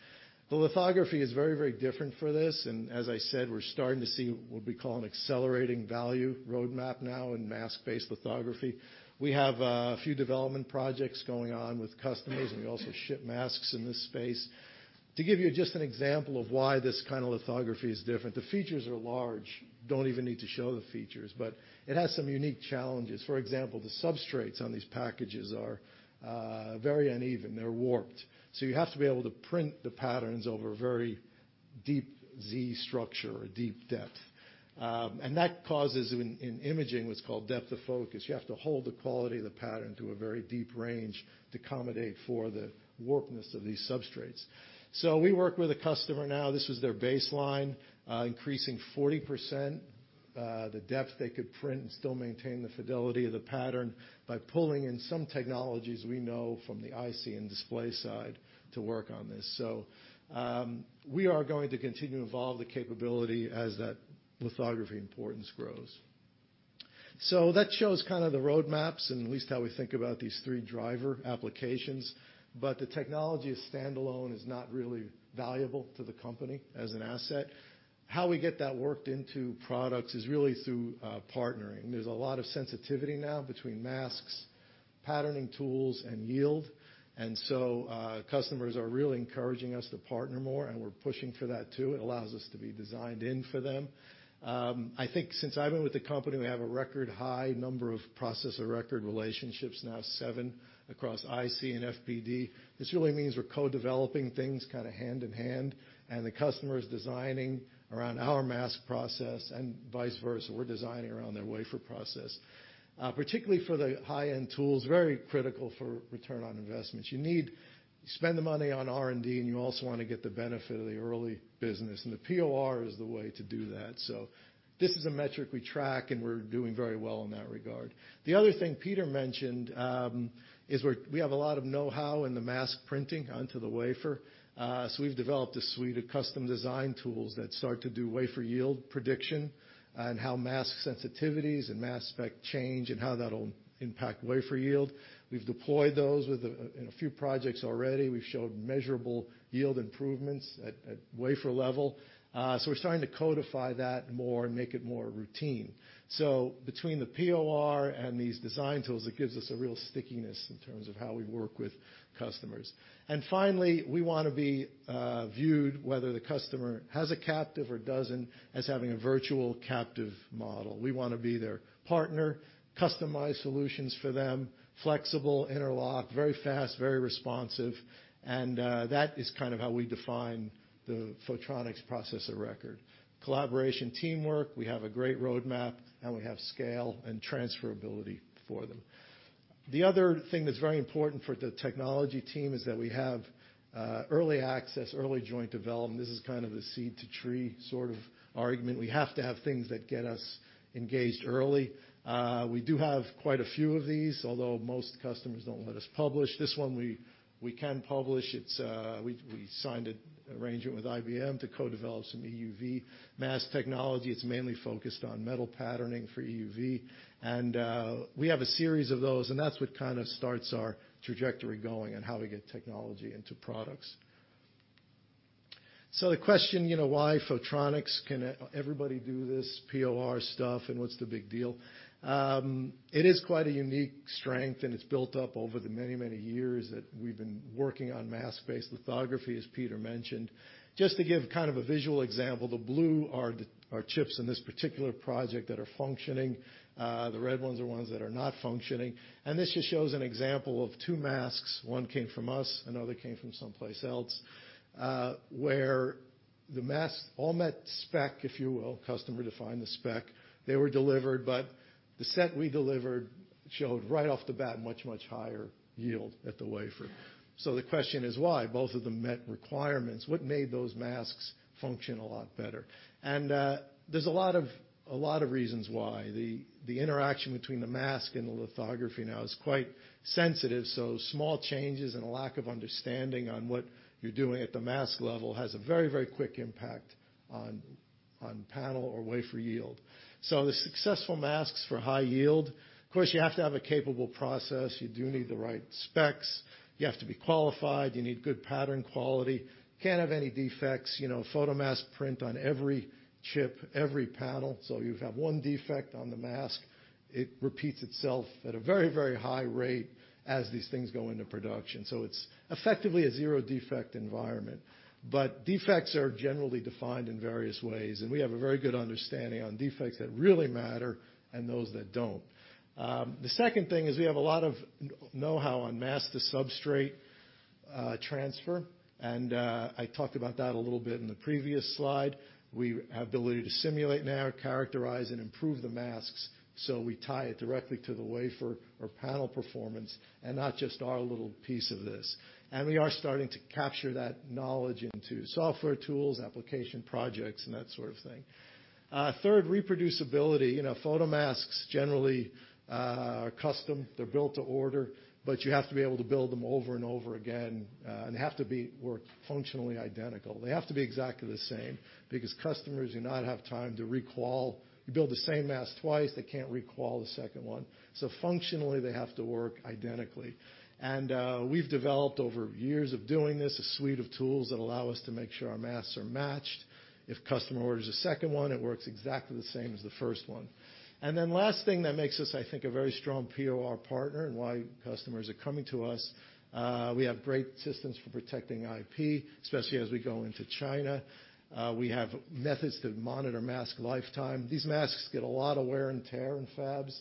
The lithography is very, very different for this, and as I said, we're starting to see what we call an accelerating value roadmap now in mask-based lithography. We have a few development projects going on with customers, and we also ship masks in this space. To give you just an example of why this kind of lithography is different, the features are large. Don't even need to show the features. But it has some unique challenges. For example, the substrates on these packages are very uneven. They're warped. So you have to be able to print the patterns over a very deep Z structure or deep depth. And that causes in imaging what's called depth of focus. You have to hold the quality of the pattern to a very deep range to accommodate for the warping of these substrates. So we work with a customer now. This was their baseline, increasing 40% the depth they could print and still maintain the fidelity of the pattern by pulling in some technologies we know from the IC and display side to work on this. So we are going to continue to evolve the capability as that lithography importance grows. So that shows kind of the roadmaps and at least how we think about these three driver applications. The technology as standalone is not really valuable to the company as an asset. How we get that worked into products is really through partnering. There's a lot of sensitivity now between masks, patterning tools, and yield. And so customers are really encouraging us to partner more, and we're pushing for that too. It allows us to be designed in for them. I think since I've been with the company, we have a record high number of process of record relationships, now seven across IC and FPD. This really means we're co-developing things kind of hand in hand. And the customer is designing around our mask process and vice versa. We're designing around their wafer process, particularly for the high-end tools, very critical for return on investments. You spend the money on R&D, and you also want to get the benefit of the early business. The POR is the way to do that. This is a metric we track, and we're doing very well in that regard. The other thing Peter mentioned is we have a lot of know-how in the mask printing onto the wafer. We've developed a suite of custom design tools that start to do wafer yield prediction and how mask sensitivities and mask spec change and how that'll impact wafer yield. We've deployed those in a few projects already. We've showed measurable yield improvements at wafer level. We're starting to codify that more and make it more routine. Between the POR and these design tools, it gives us a real stickiness in terms of how we work with customers. Finally, we want to be viewed whether the customer has a captive or doesn't as having a virtual captive model. We want to be their partner, customize solutions for them, flexible, interlocked, very fast, very responsive. That is kind of how we define the Photronics process of record. Collaboration, teamwork, we have a great roadmap, and we have scale and transferability for them. The other thing that's very important for the technology team is that we have early access, early joint development. This is kind of the seed to tree sort of argument. We have to have things that get us engaged early. We do have quite a few of these, although most customers don't let us publish. This one we can publish. We signed an arrangement with IBM to co-develop some EUV mask technology. It's mainly focused on metal patterning for EUV. We have a series of those. That's what kind of starts our trajectory going and how we get technology into products. So the question, why Photronics can everybody do this POR stuff and what's the big deal? It is quite a unique strength, and it's built up over the many, many years that we've been working on mask-based lithography, as Peter mentioned. Just to give kind of a visual example, the blue are our chips in this particular project that are functioning. The red ones are ones that are not functioning. And this just shows an example of two masks. One came from us. Another came from someplace else where the masks all met spec, if you will, customer defined the spec. They were delivered. But the set we delivered showed right off the bat much, much higher yield at the wafer. So the question is, why? Both of them met requirements. What made those masks function a lot better? And there's a lot of reasons why. The interaction between the mask and the lithography now is quite sensitive. So small changes and a lack of understanding on what you're doing at the mask level has a very, very quick impact on panel or wafer yield. So the successful masks for high yield, of course, you have to have a capable process. You do need the right specs. You have to be qualified. You need good pattern quality. You can't have any defects. Photomask print on every chip, every panel. So you have one defect on the mask. It repeats itself at a very, very high rate as these things go into production. So it's effectively a zero defect environment. But defects are generally defined in various ways. And we have a very good understanding on defects that really matter and those that don't. The second thing is we have a lot of know-how on mask-to-substrate transfer. I talked about that a little bit in the previous slide. We have the ability to simulate now, characterize, and improve the masks. We tie it directly to the wafer or panel performance and not just our little piece of this. We are starting to capture that knowledge into software tools, application projects, and that sort of thing. Third, reproducibility. Photomasks generally are custom. They're built to order. You have to be able to build them over and over again. They have to work functionally identical. They have to be exactly the same because customers do not have time to requal. You build the same mask twice. They can't requal the second one. Functionally, they have to work identically. We've developed over years of doing this a suite of tools that allow us to make sure our masks are matched. If a customer orders a second one, it works exactly the same as the first one. Then the last thing that makes us, I think, a very strong POR partner and why customers are coming to us is we have great systems for protecting IP, especially as we go into China. We have methods to monitor mask lifetime. These masks get a lot of wear and tear in fabs.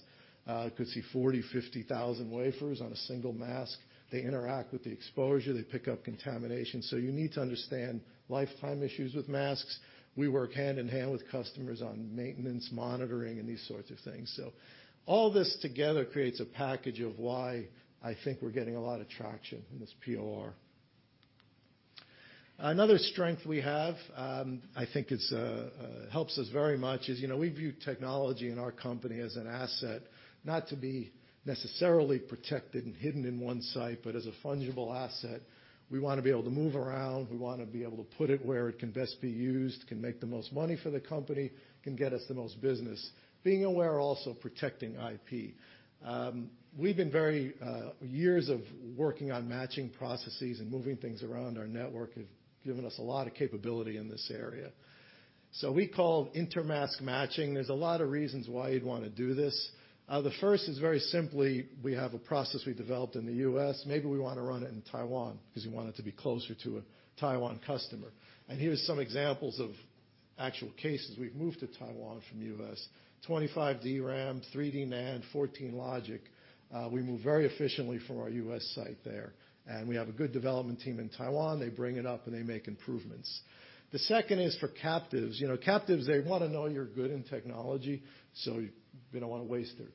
You could see 40,000, 50,000 wafers on a single mask. They interact with the exposure. They pick up contamination. So you need to understand lifetime issues with masks. We work hand in hand with customers on maintenance, monitoring, and these sorts of things. So all this together creates a package of why I think we're getting a lot of traction in this POR. Another strength we have, I think, helps us very much is we view technology in our company as an asset, not to be necessarily protected and hidden in one site, but as a fungible asset. We want to be able to move around. We want to be able to put it where it can best be used, can make the most money for the company, can get us the most business, being aware also protecting IP. We've had very many years of working on matching processes and moving things around our network have given us a lot of capability in this area. So we call intermask matching. There's a lot of reasons why you'd want to do this. The first is very simply, we have a process we developed in the U.S. Maybe we want to run it in Taiwan because we want it to be closer to a Taiwan customer. Here's some examples of actual cases. We've moved to Taiwan from the U.S. 2.5D RAM, 3D NAND, 14-nm logic. We move very efficiently from our U.S. site there. And we have a good development team in Taiwan. They bring it up, and they make improvements. The second is for captives. Captives, they want to know you're good in technology, so they don't want to waste their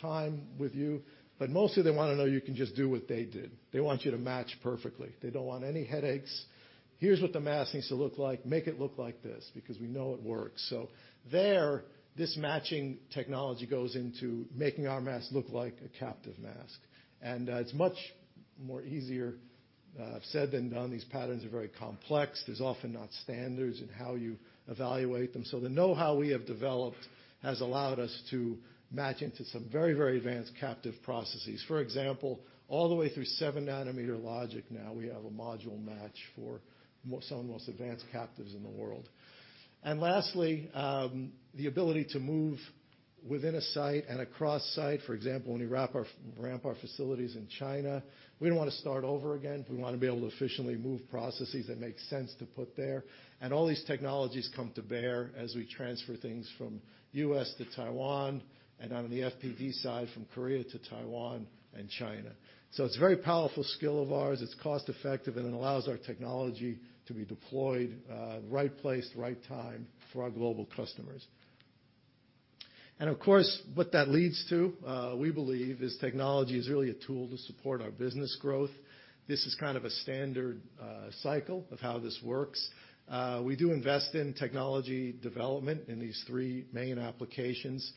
time with you. But mostly, they want to know you can just do what they did. They want you to match perfectly. They don't want any headaches. Here's what the mask needs to look like. Make it look like this because we know it works. So there, this matching technology goes into making our mask look like a captive mask. And it's much more easier said than done. These patterns are very complex. There's often not standards in how you evaluate them. So the know-how we have developed has allowed us to match into some very, very advanced captive processes. For example, all the way through 7-nanometer logic now, we have a module match for some of the most advanced captives in the world. And lastly, the ability to move within a site and across site. For example, when we ramp our facilities in China, we don't want to start over again. We want to be able to efficiently move processes that make sense to put there. And all these technologies come to bear as we transfer things from U.S. to Taiwan and on the FPD side from Korea to Taiwan and China. So it's a very powerful skill of ours. It's cost-effective, and it allows our technology to be deployed right place, right time for our global customers. Of course, what that leads to, we believe, is technology is really a tool to support our business growth. This is kind of a standard cycle of how this works. We do invest in technology development in these three main applications.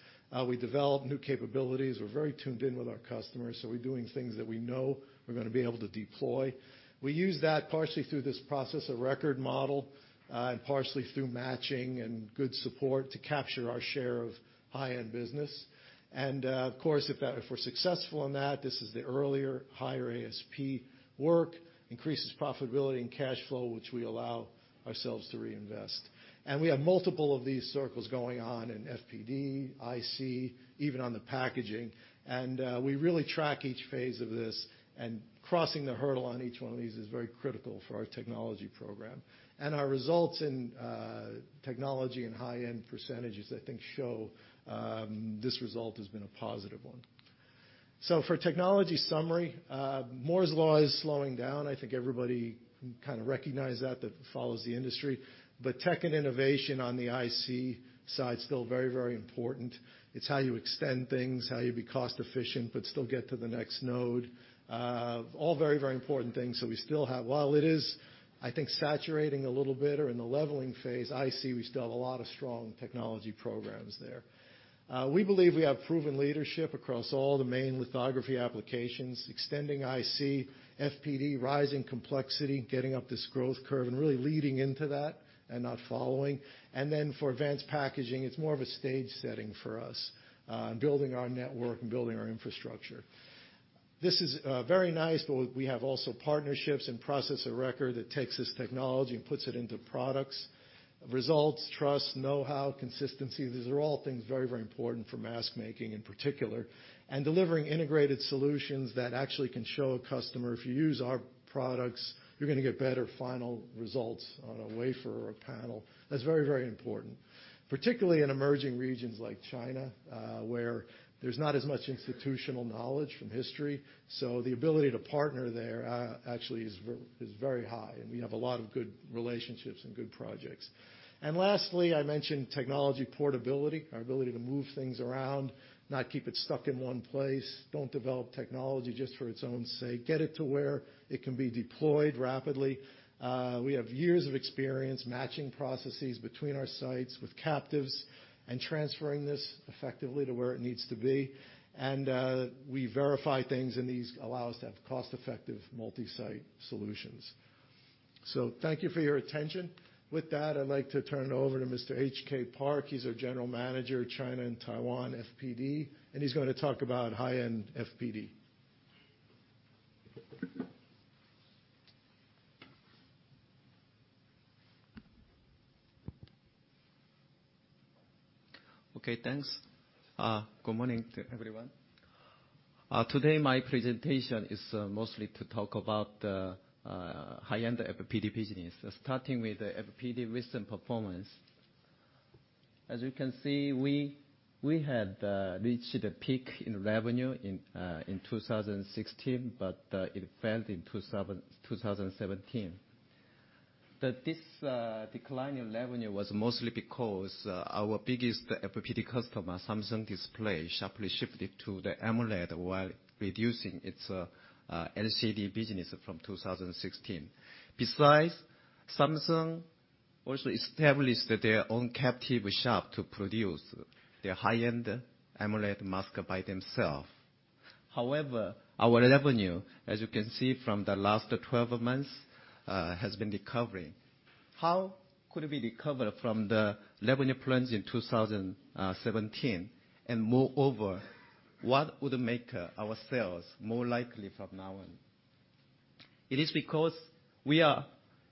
We develop new capabilities. We're very tuned in with our customers, so we're doing things that we know we're going to be able to deploy. We use that partially through this process of record model and partially through matching and good support to capture our share of high-end business, and of course, if we're successful in that, this is the earlier higher ASP work, increases profitability and cash flow, which we allow ourselves to reinvest. We have multiple of these circles going on in FPD, IC, even on the packaging. We really track each phase of this. And crossing the hurdle on each one of these is very critical for our technology program, and our results in technology and high-end percentages, I think, show this result has been a positive one. So for technology summary, Moore's Law is slowing down. I think everybody kind of recognizes that. That follows the industry, but tech and innovation on the IC side is still very, very important. It's how you extend things, how you be cost-efficient, but still get to the next node. All very, very important things, so we still have, while it is, I think, saturating a little bit or in the leveling phase, IC, we still have a lot of strong technology programs there. We believe we have proven leadership across all the main lithography applications, extending IC, FPD, rising complexity, getting up this growth curve, and really leading into that and not following. And then for advanced packaging, it's more of a stage setting for us and building our network and building our infrastructure. This is very nice, but we have also partnerships and process of record that takes this technology and puts it into products. Results, trust, know-how, consistency. These are all things very, very important for mask making in particular and delivering integrated solutions that actually can show a customer, if you use our products, you're going to get better final results on a wafer or a panel. That's very, very important, particularly in emerging regions like China where there's not as much institutional knowledge from history. So the ability to partner there actually is very high. And we have a lot of good relationships and good projects. And lastly, I mentioned technology portability, our ability to move things around, not keep it stuck in one place. Don't develop technology just for its own sake. Get it to where it can be deployed rapidly. We have years of experience matching processes between our sites with captives and transferring this effectively to where it needs to be. And we verify things, and these allow us to have cost-effective multi-site solutions, so thank you for your attention. With that, I'd like to turn it over to Mr. H.K. Park. He's our General Manager, China and Taiwan FPD, and he's going to talk about high-end FPD. Okay. Thanks. Good morning to everyone. Today, my presentation is mostly to talk about the high-end FPD business, starting with the FPD business performance. As you can see, we had reached a peak in revenue in 2016, but it fell in 2017. This decline in revenue was mostly because our biggest FPD customer, Samsung Display, sharply shifted to the AMOLED while reducing its LCD business from 2016. Besides, Samsung also established their own captive shop to produce their high-end AMOLED mask by themselves. However, our revenue, as you can see from the last 12 months, has been recovering. How could we recover from the revenue plunge in 2017? And moreover, what would make our sales more likely from now on? It is because we are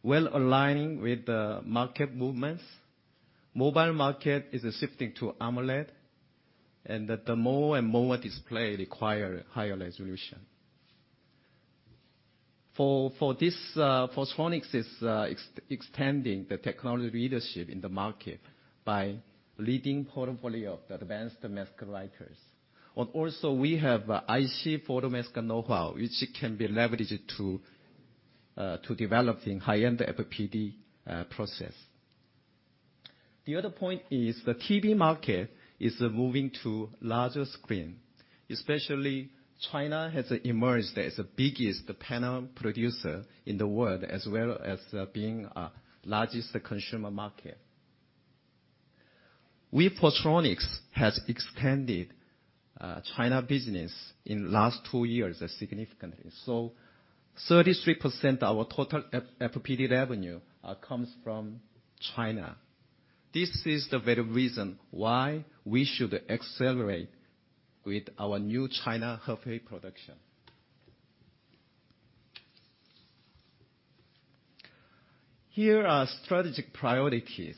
well-aligning with the market movements. Mobile market is shifting to AMOLED, and the more and more display require higher resolution. Photronics is extending the technology leadership in the market by leading portfolio of the advanced mask writers. Also, we have IC photomask know-how, which can be leveraged to developing high-end FPD process. The other point is the TV market is moving to larger screen. Especially, China has emerged as the biggest panel producer in the world, as well as being the largest consumer market. Photronics has extended China business in the last two years significantly. So 33% of our total FPD revenue comes from China. This is the very reason why we should accelerate with our new Hefei production. Here are strategic priorities.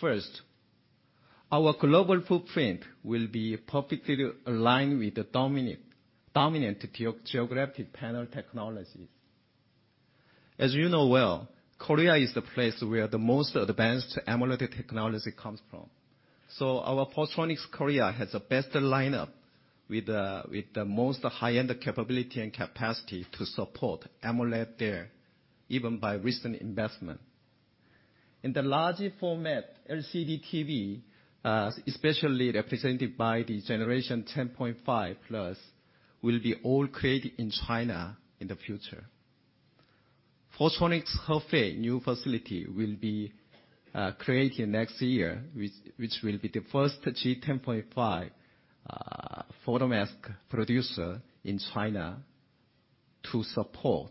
First, our global footprint will be perfectly aligned with the dominant geographic panel technologies. As you know well, Korea is the place where the most advanced AMOLED technology comes from. So our Photronics Korea has the best lineup with the most high-end capability and capacity to support AMOLED there, even by recent investment. In the larger format, LCD TV, especially represented by the generation 10.5+, will be all created in China in the future. Photronics Hefei new facility will be created next year, which will be the first G10.5 photomask producer in China to support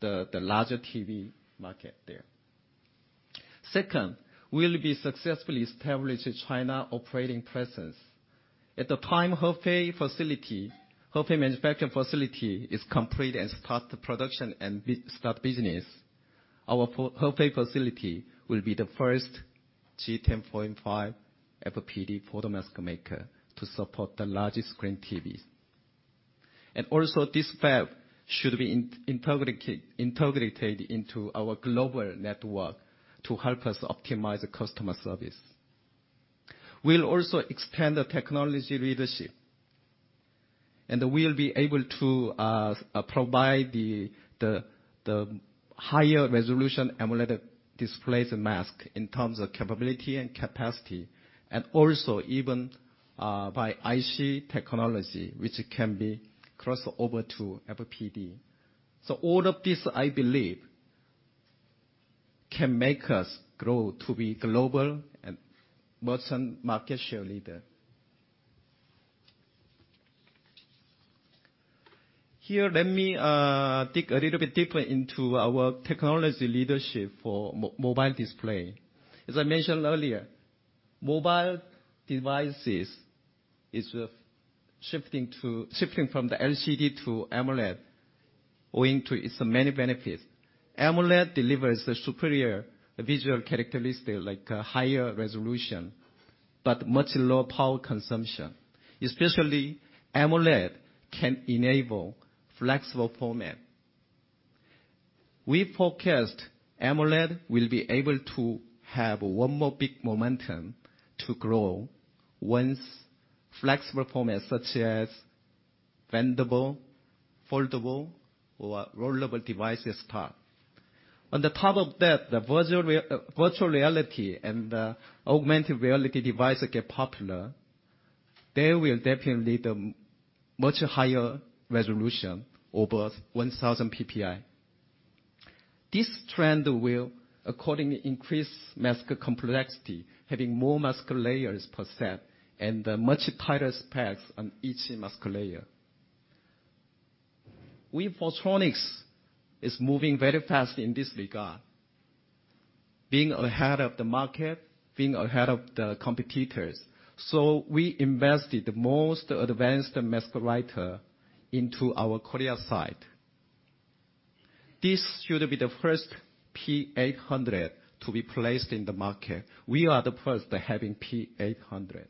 the larger TV market there. Second, we'll be successfully established China operating presence. At the time Hefei facility, Hefei manufacturing facility is complete and start production and start business, our Hefei facility will be the first G10.5 FPD photomask maker to support the larger screen TVs. And also, this fab should be integrated into our global network to help us optimize customer service. We'll also extend the technology leadership, and we'll be able to provide the higher resolution AMOLED displays and masks in terms of capability and capacity, and also even by IC technology, which can be crossed over to FPD. All of this, I believe, can make us grow to be global and merchant market share leader. Here, let me dig a little bit deeper into our technology leadership for mobile display. As I mentioned earlier, mobile devices is shifting from the LCD to AMOLED owing to its many benefits. AMOLED delivers superior visual characteristics like higher resolution, but much lower power consumption. Especially, AMOLED can enable flexible format. We forecast AMOLED will be able to have one more big momentum to grow once flexible format such as bendable, foldable, or rollable devices start. On the top of that, the virtual reality and the augmented reality devices get popular. They will definitely lead to much higher resolution over 1,000 PPI. This trend will, accordingly, increase mask complexity, having more mask layers per set and much tighter specs on each mask layer. Photronics is moving very fast in this regard, being ahead of the market, being ahead of the competitors. We invested the most advanced mask writer into our Korea site. This should be the first P800 to be placed in the market. We are the first having P800.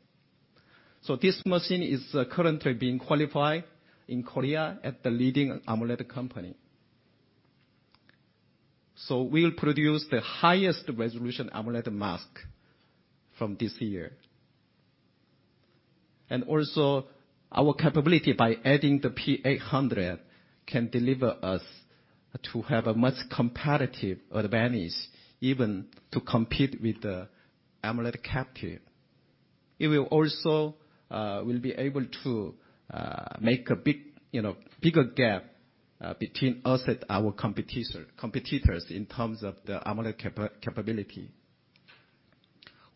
This machine is currently being qualified in Korea at the leading AMOLED company. We'll produce the highest resolution AMOLED mask from this year. And also, our capability by adding the P800 can deliver us to have a much competitive advantage, even to compete with the AMOLED captive. It will also be able to make a bigger gap between us and our competitors in terms of the AMOLED capability.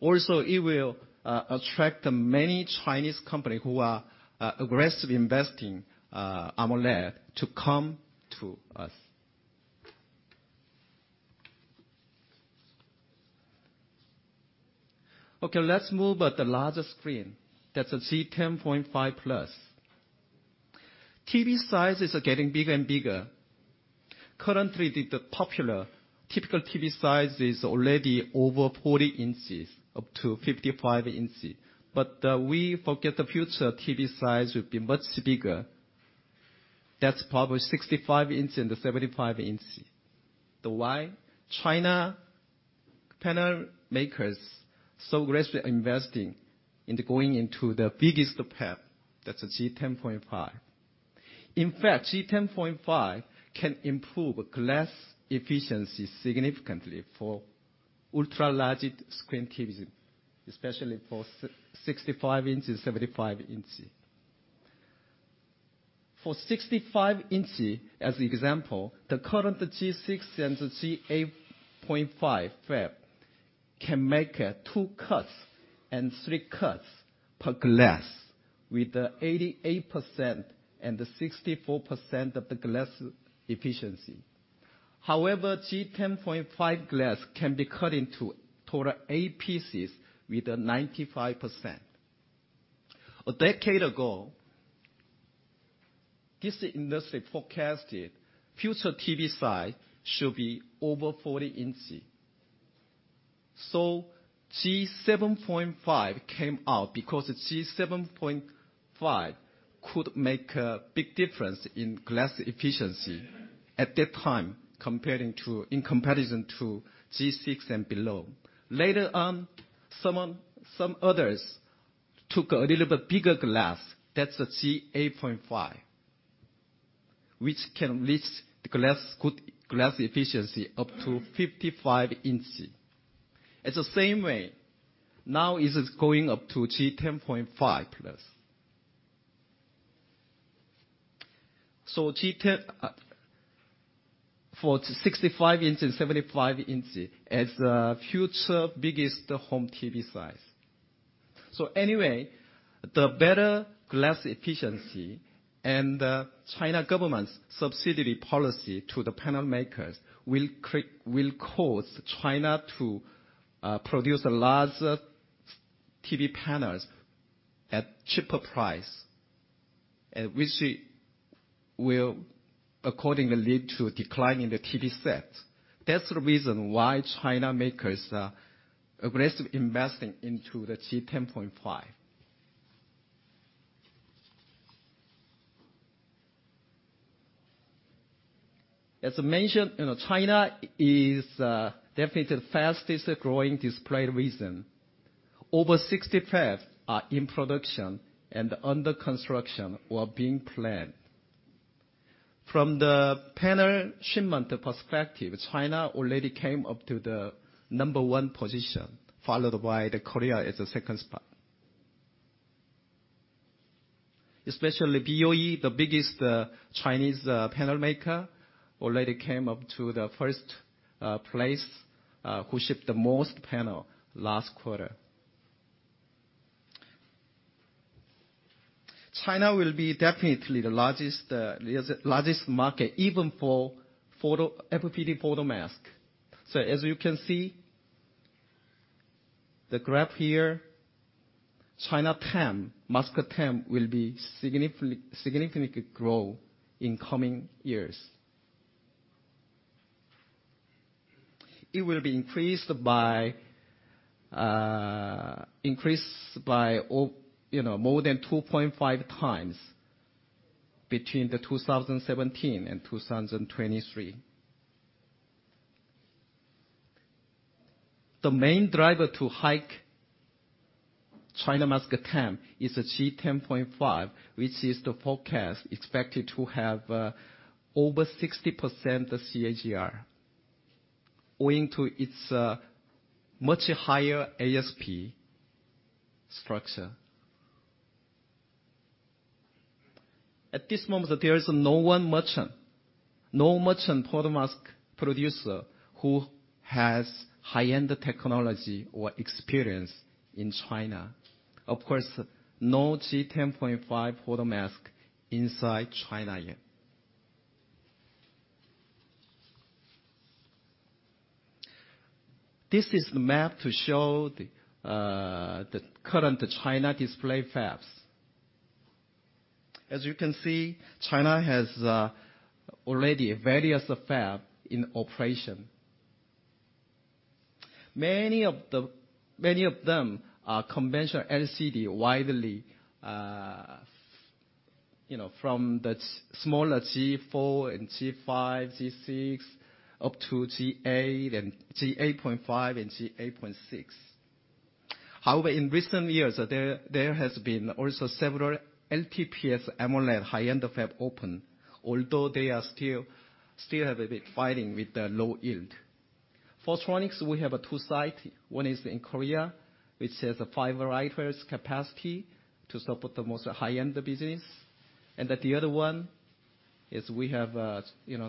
Also, it will attract many Chinese companies who are aggressively investing in AMOLED to come to us. Okay. Let's move to the larger screen. That's a G10.5+. TV size is getting bigger and bigger. Currently, the popular typical TV size is already over 40 in, up to 55 in. But we forget the future TV size will be much bigger. That's probably 65 in and 75 in. The why? China panel makers are so aggressively investing in going into the biggest path. That's a G10.5. In fact, G10.5 can improve glass efficiency significantly for ultra-large screen TVs, especially for 65 in, 75 in. For 65 in, as an example, the current G6 and G8.5 fab can make two cuts and three cuts per glass with 88% and 64% of the glass efficiency. However, G10.5 glass can be cut into a total of eight pieces with 95%. A decade ago, this industry forecasted future TV size should be over 40 in. So G7.5 came out because G7.5 could make a big difference in glass efficiency at that time in comparison to G6 and below. Later on, some others took a little bit bigger glass. That's a G8.5, which can reach the glass efficiency up to 55 in. In the same way, now it is going up to G10.5+. So for 65 in and 75 in as the future biggest home TV size. So anyway, the better glass efficiency and the China government's subsidy policy to the panel makers will cause China to produce larger TV panels at a cheaper price, which will accordingly lead to a decline in the TV set. That's the reason why China makers are aggressively investing into the G10.5. As I mentioned, China is definitely the fastest growing display region. Over 60 fabs are in production, and under construction or being planned. From the panel shipment perspective, China already came up to the number one position, followed by Korea as the second spot. Especially BOE, the biggest Chinese panel maker, already came up to the first place who shipped the most panels last quarter. China will definitely be the largest market, even for FPD photomask. So as you can see the graph here, China G10 mask will be significantly growing in coming years. It will be increased by more than 2.5 times between 2017 and 2023. The main driver to hike China G10 mask is G10.5, which is the forecast expected to have over 60% CAGR owing to its much higher ASP structure. At this moment, there is no one merchant, no merchant photomask producer who has high-end technology or experience in China. Of course, no G10.5 photomask inside China yet. This is the map to show the current China display fabs. As you can see, China has already various fabs in operation. Many of them are conventional LCD widely from the smaller G4 and G5, G6, up to G8 and G8.5 and G8.6. However, in recent years, there has been also several LTPS AMOLED high-end fabs open, although they still have been fighting with the low yield. Photronics, we have two sites. One is in Korea, which has a five-writer capacity to support the most high-end business. The other one is we have a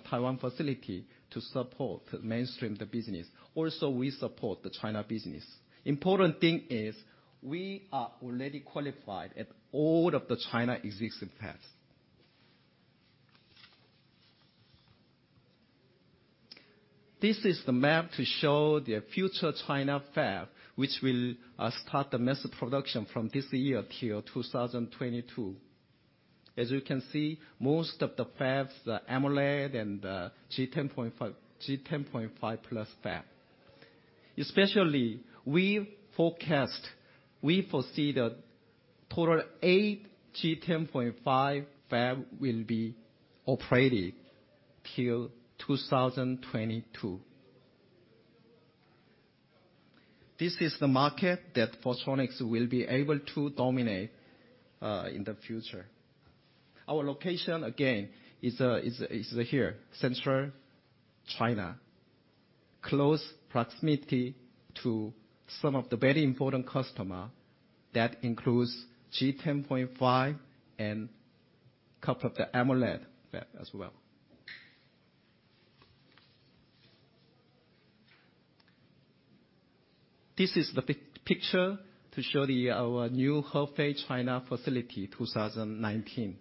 Taiwan facility to support mainstream business. Also, we support the China business. Important thing is we are already qualified at all of the China existing fabs. This is the map to show the future China fab, which will start the mass production from this year till 2022. As you can see, most of the fabs are AMOLED and G10.5+ fab. Especially, we forecast, we foresee the total eight G10.5 fabs will be operated till 2022. This is the market that Photronics will be able to dominate in the future. Our location, again, is here, central China, close proximity to some of the very important customers that includes G10.5 and a couple of the AMOLED fabs as well. This is the picture to show our new Hefei China facility 2019.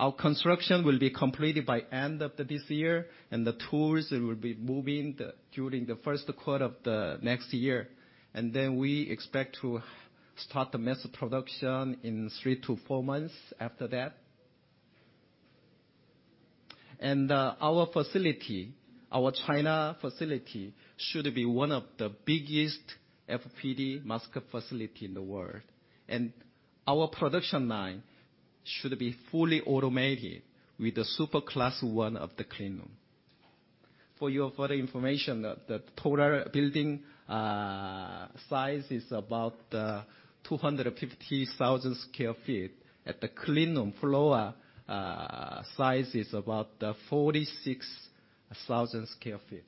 Our construction will be completed by the end of this year, and the tools will be moving during the first quarter of the next year. And then we expect to start the mass production in three to four months after that. And our facility, our China facility, should be one of the biggest FPD mask facilities in the world. And our production line should be fully automated with the super class one of the cleanroom. For your further information, the total building size is about 250,000 sq ft. At the cleanroom floor, size is about 46,000 sq ft.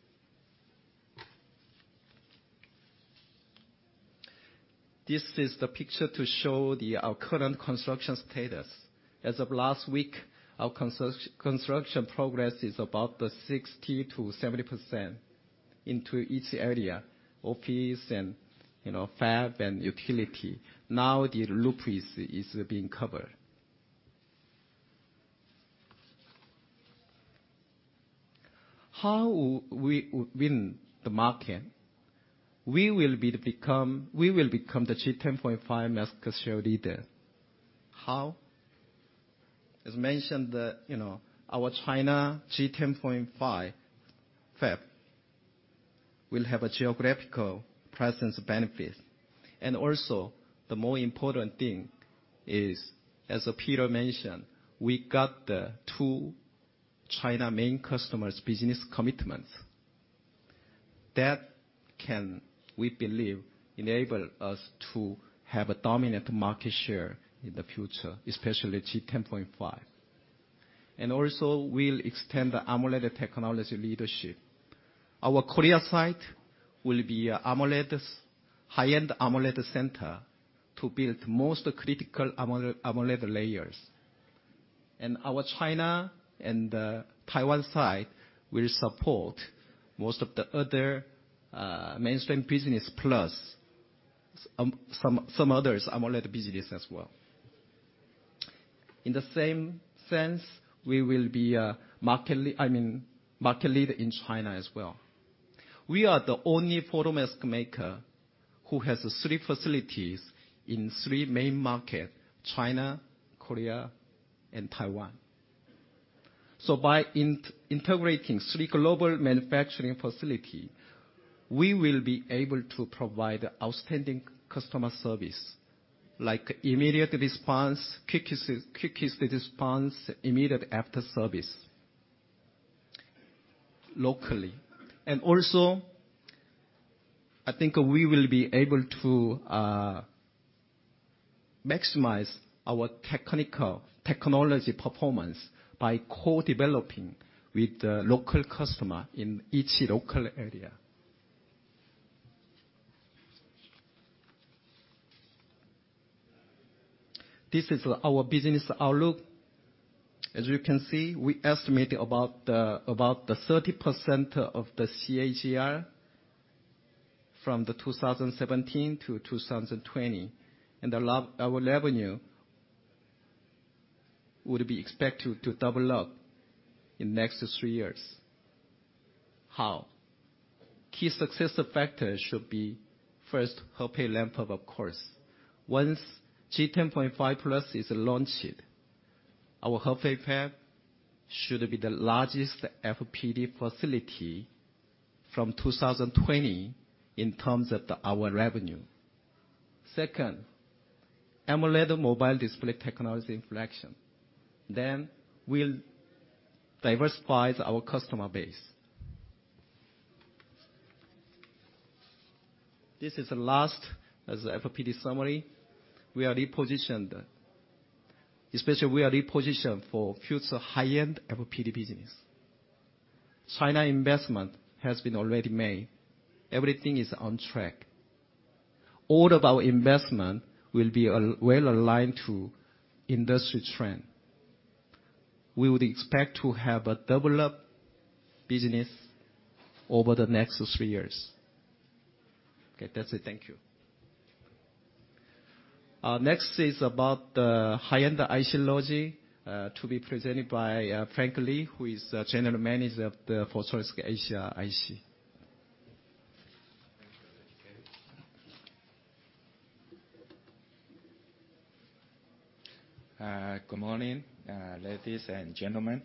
This is the picture to show our current construction status. As of last week, our construction progress is about 60%-70% into each area, office, and fab, and utility. Now the loop is being covered. How will we win the market? We will become the G10.5 mask share leader. How? As mentioned, our China G10.5 fab will have a geographical presence benefit. And also, the more important thing is, as Peter mentioned, we got the two China main customers' business commitments. That can, we believe, enable us to have a dominant market share in the future, especially G10.5. And also, we'll extend the AMOLED technology leadership. Our Korea site will be a high-end AMOLED center to build most critical AMOLED layers. Our China and Taiwan side will support most of the other mainstream business plus some others' AMOLED business as well. In the same sense, we will be a market leader in China as well. We are the only photomask maker who has three facilities in three main markets: China, Korea, and Taiwan. By integrating three global manufacturing facilities, we will be able to provide outstanding customer service like immediate response, quickest response, immediate after-service locally. Also, I think we will be able to maximize our technical technology performance by co-developing with the local customer in each local area. This is our business outlook. As you can see, we estimate about 30% of the CAGR from 2017 to 2020. Our revenue would be expected to double up in the next three years. How? Key success factors should be first, Hefei fab, of course. Once G10.5+ is launched, our Hefei fab should be the largest FPD facility from 2020 in terms of our revenue. Second, AMOLED mobile display technology inflection. Then we'll diversify our customer base. This is the last FPD summary. We are repositioned, especially we are repositioned for future high-end FPD business. China investment has been already made. Everything is on track. All of our investment will be well aligned to industry trend. We would expect to have a double-up business over the next three years. Okay. That's it. Thank you. Next is about the high-end IC logic to be presented by Frank Lee, who is the General Manager of Photronics Asia IC. Good morning, ladies and gentlemen.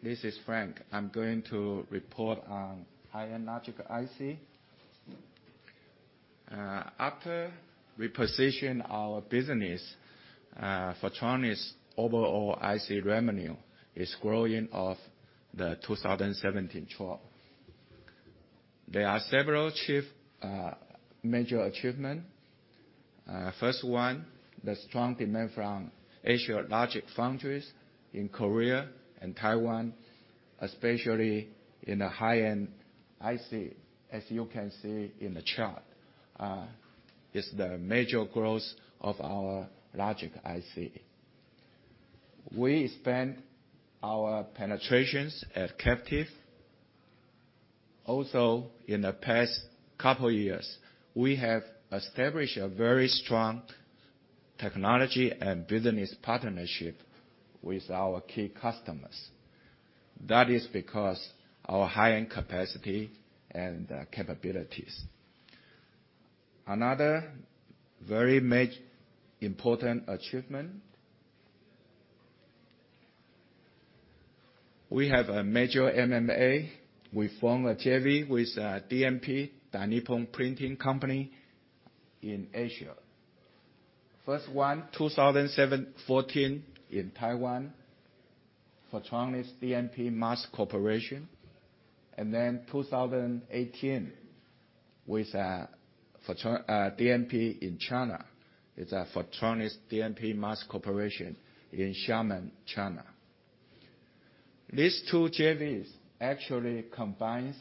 This is Frank. I'm going to report on high-end logic IC. After repositioning our business, Photronics' overall IC revenue is growing off the 2017 chart. There are several major achievements. First one, the strong demand from Asia logic foundries in Korea and Taiwan, especially in the high-end IC, as you can see in the chart, is the major growth of our logic IC. We expand our penetrations at captive. Also, in the past couple of years, we have established a very strong technology and business partnership with our key customers. That is because of our high-end capacity and capabilities. Another very important achievement, we have a major M&A. We formed a JV with DNP, Dai Nippon Printing Company in Asia. First one, 2014 in Taiwan, Photronics DNP Mask Corporation. And then 2018 with DNP in China. It's a Photronics DNP Mask Corporation in Xiamen, China. These two JVs actually combine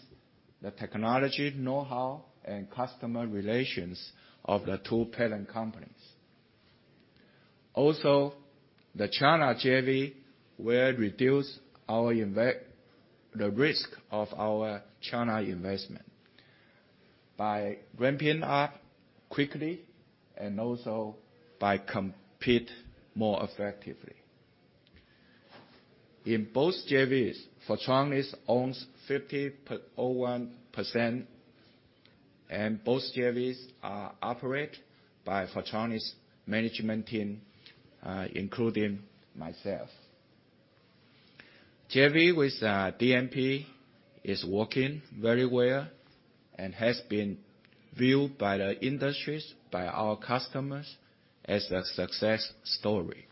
the technology know-how and customer relations of the two parent companies. Also, the China JV will reduce the risk of our China investment by ramping up quickly and also by competing more effectively. In both JVs, Photronics owns 50.01%, and both JVs are operated by Photronics management team, including myself. JV with DNP is working very well and has been viewed by the industries, by our customers, as a success story.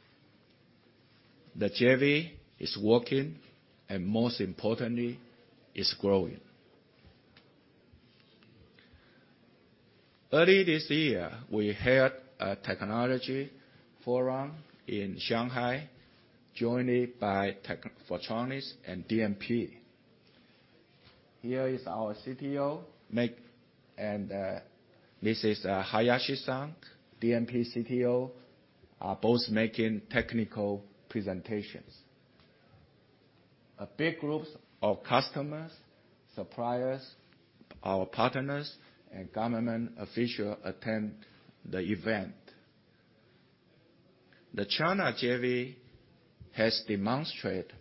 The JV is working and, most importantly, is growing. Early this year, we held a technology forum in Shanghai, joined by Photronics and DNP. Here is our CTO, and this is Hayashi-san, DNP CTO, both making technical presentations. Big groups of customers, suppliers, our partners, and government officials attend the event. The China JV has demonstrated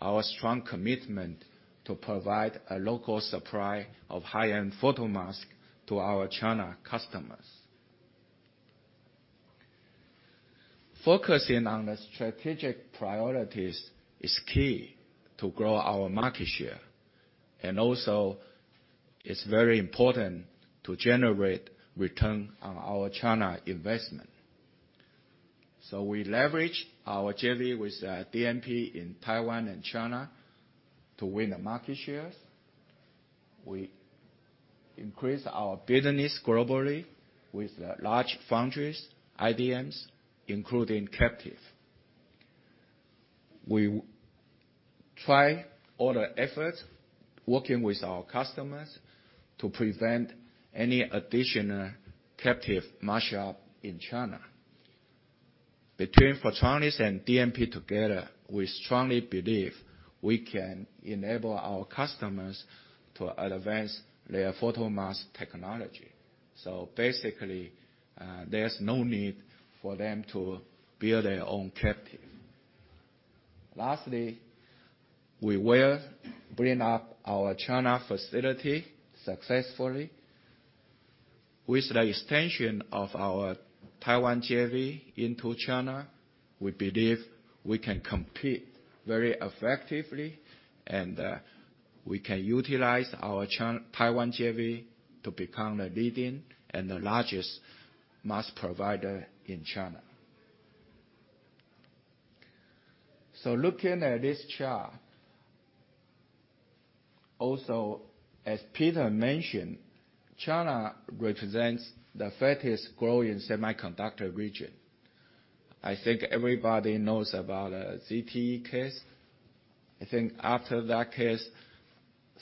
our strong commitment to provide a local supply of high-end photomasks to our China customers. Focusing on the strategic priorities is key to grow our market share. And also, it's very important to generate return on our China investment. So we leverage our JV with DNP in Taiwan and China to win the market shares. We increase our business globally with large foundries, IDMs, including captive. We try all the efforts working with our customers to prevent any additional captive mask shop in China. Between Photronics and DNP together, we strongly believe we can enable our customers to advance their photomask technology. So basically, there's no need for them to build their own captive. Lastly, we will bring up our China facility successfully. With the extension of our Taiwan JV into China, we believe we can compete very effectively, and we can utilize our Taiwan JV to become the leading and the largest mask provider in China. So looking at this chart, also, as Peter mentioned, China represents the fastest growing semiconductor region. I think everybody knows about the ZTE case. I think after that case,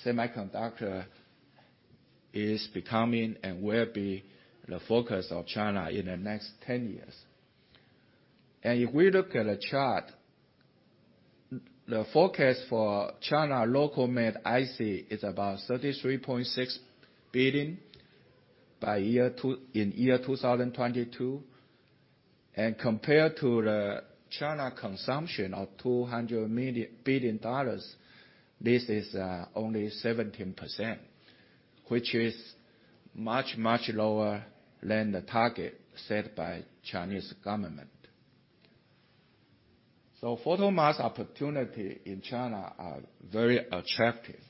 semiconductor is becoming and will be the focus of China in the next 10 years, and if we look at the chart, the focus for China local-made IC is about $33.6 billion in 2022, and compared to the China consumption of $200 billion, this is only 17%, which is much, much lower than the target set by the Chinese government, so photomask opportunities in China are very attractive.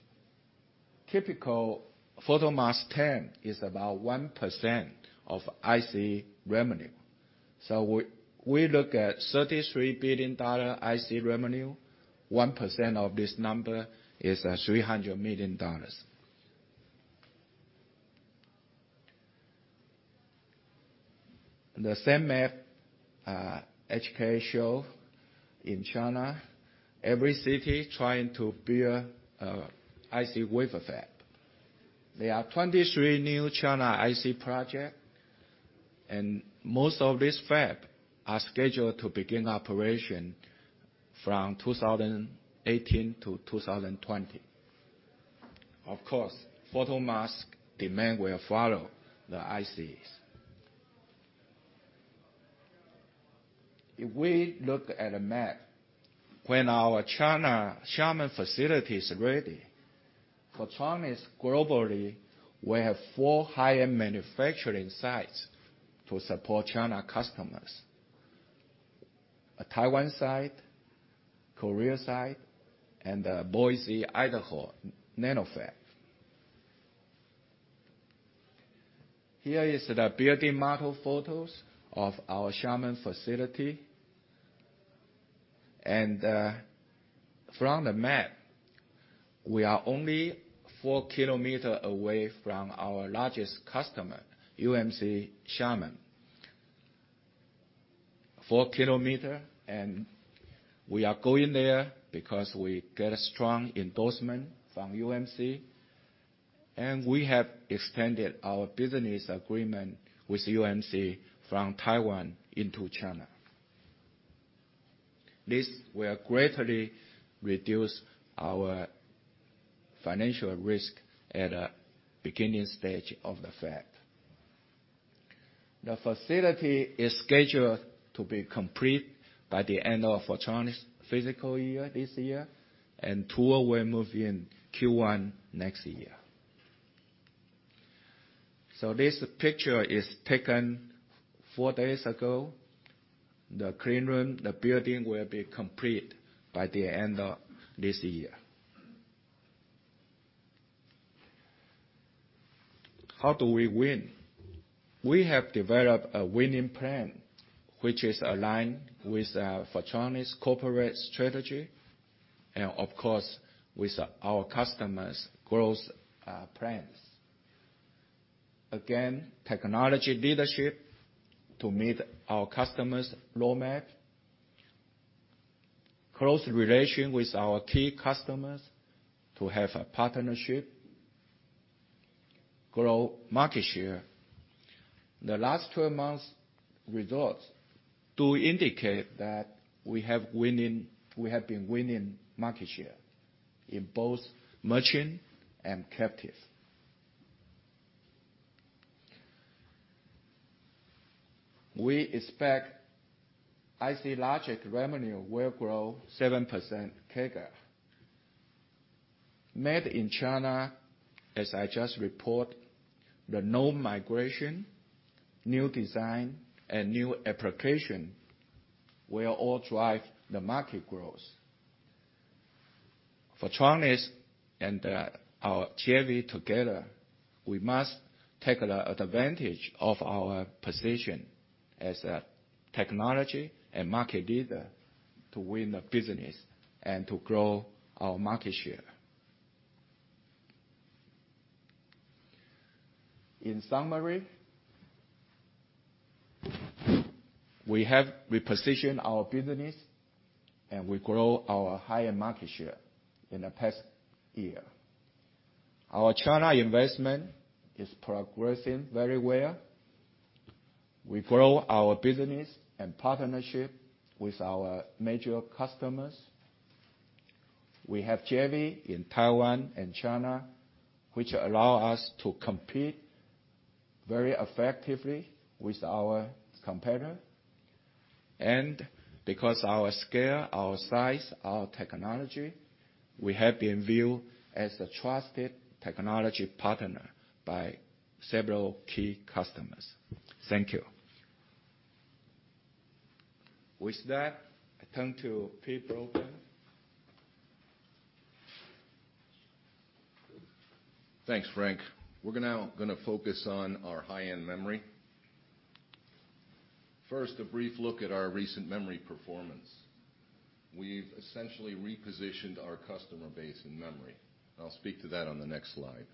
Typical photomask term is about 1% of IC revenue, so we look at $33 billion IC revenue. 1% of this number is $300 million. The same as H.K. showed, in China every city is trying to build an IC wafer fab. There are 23 new China IC projects, and most of these fabs are scheduled to begin operation from 2018 to 2020. Of course, photomask demand will follow the ICs. If we look at a map, when our China Xiamen facility is ready, Photronics globally will have four high-end manufacturing sites to support China customers: a Taiwan site, Korea site, and a Boise, Idaho nanoFab. Here is the building model photos of our Xiamen facility. From the map, we are only four kilometers away from our largest customer, UMC Xiamen. Four kilometers, and we are going there because we get a strong endorsement from UMC. We have extended our business agreement with UMC from Taiwan into China. This will greatly reduce our financial risk at the beginning stage of the fab. The facility is scheduled to be complete by the end of Photronics fiscal year this year, and tools will move in Q1 next year. This picture is taken four days ago. The cleanroom, the building will be complete by the end of this year. How do we win? We have developed a winning plan, which is aligned with Photronics corporate strategy and, of course, with our customers' growth plans. Again, technology leadership to meet our customers' roadmap. Close relation with our key customers to have a partnership. Grow market share. The last 12 months' results do indicate that we have been winning market share in both Merchant and Captive. We expect IC logic revenue will grow 7% CAGR. Made in China, as I just reported, the known migration, new design, and new application will all drive the market growth. Photronics and our JV together, we must take advantage of our position as a technology and market leader to win the business and to grow our market share. In summary, we have repositioned our business, and we grow our high-end market share in the past year. Our China investment is progressing very well. We grow our business and partnership with our major customers. We have JV in Taiwan and China, which allow us to compete very effectively with our competitor, and because of our scale, our size, our technology, we have been viewed as a trusted technology partner by several key customers. Thank you. With that, I turn to Peter Broadbent. Thanks, Frank. We're now going to focus on our high-end memory. First, a brief look at our recent memory performance. We've essentially repositioned our customer base in memory. I'll speak to that on the next slide.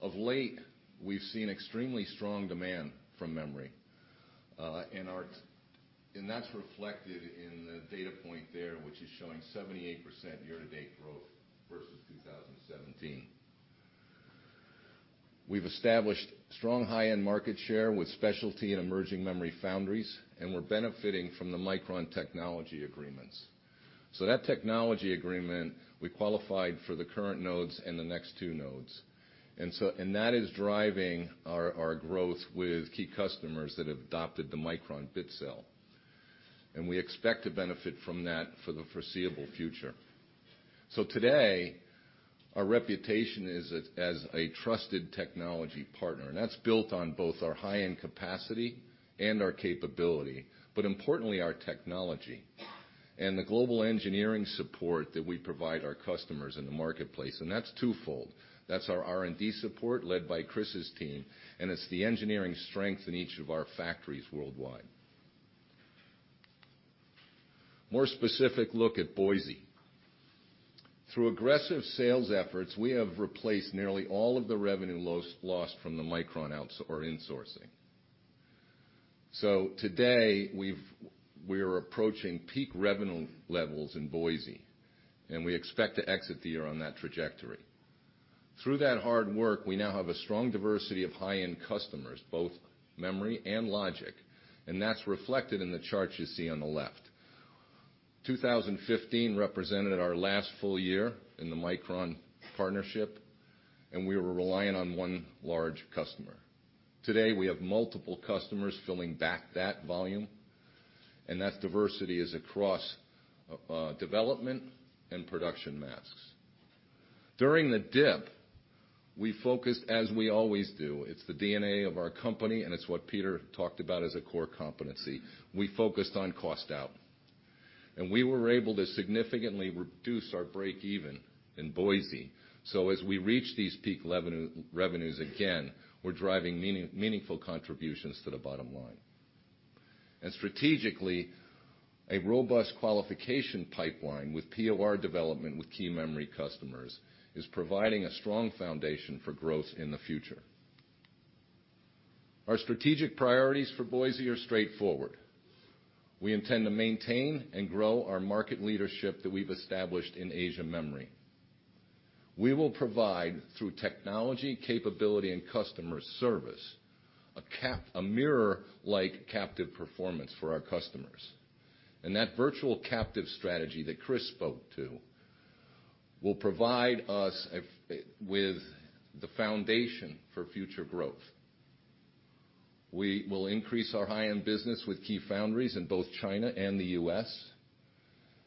Of late, we've seen extremely strong demand from memory, and that's reflected in the data point there, which is showing 78% year-to-date growth versus 2017. We've established strong high-end market share with specialty and emerging memory foundries, and we're benefiting from the Micron technology agreements. So that technology agreement, we qualified for the current nodes and the next two nodes. And that is driving our growth with key customers that have adopted the Micron bit cell. And we expect to benefit from that for the foreseeable future. So today, our reputation is as a trusted technology partner. And that's built on both our high-end capacity and our capability, but importantly, our technology and the global engineering support that we provide our customers in the marketplace. And that's twofold. That's our R&D support led by Chris's team, and it's the engineering strength in each of our factories worldwide. More specific look at Boise. Through aggressive sales efforts, we have replaced nearly all of the revenue lost from the Micron outsourcing. So today, we are approaching peak revenue levels in Boise, and we expect to exit the year on that trajectory. Through that hard work, we now have a strong diversity of high-end customers, both memory and logic. And that's reflected in the chart you see on the left. 2015 represented our last full year in the Micron partnership, and we were reliant on one large customer. Today, we have multiple customers filling back that volume. And that diversity is across development and production masks. During the dip, we focused, as we always do. It's the DNA of our company, and it's what Peter talked about as a core competency. We focused on cost out. And we were able to significantly reduce our break-even in Boise. So as we reach these peak revenues again, we're driving meaningful contributions to the bottom line. And strategically, a robust qualification pipeline with POR development with key memory customers is providing a strong foundation for growth in the future. Our strategic priorities for Boise are straightforward. We intend to maintain and grow our market leadership that we've established in Asia memory. We will provide, through technology, capability, and customer service, a mirror-like captive performance for our customers. And that virtual captive strategy that Chris spoke to will provide us with the foundation for future growth. We will increase our high-end business with key foundries in both China and the U.S.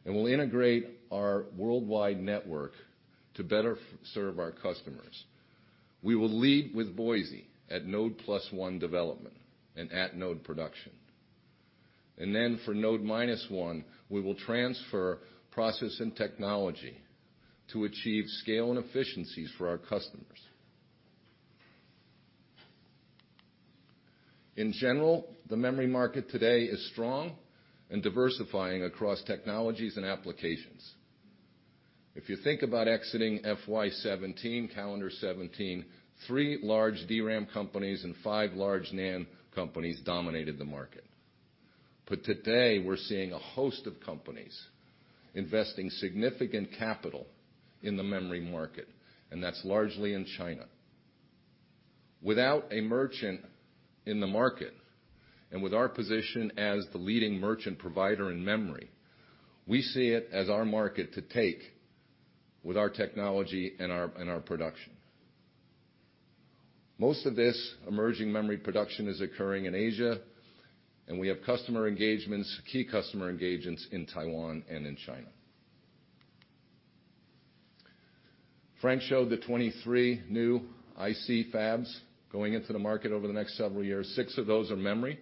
And we'll integrate our worldwide network to better serve our customers. We will lead with Boise at node plus one development and at node production. And then for node minus one, we will transfer process and technology to achieve scale and efficiencies for our customers. In general, the memory market today is strong and diversifying across technologies and applications. If you think about exiting FY 2017, calendar 17, three large DRAM companies and five large NAND companies dominated the market. But today, we're seeing a host of companies investing significant capital in the memory market, and that's largely in China. Without a merchant in the market and with our position as the leading merchant provider in memory, we see it as our market to take with our technology and our production. Most of this emerging memory production is occurring in Asia, and we have key customer engagements in Taiwan and in China. Frank showed the 23 new IC fabs going into the market over the next several years. Six of those are memory,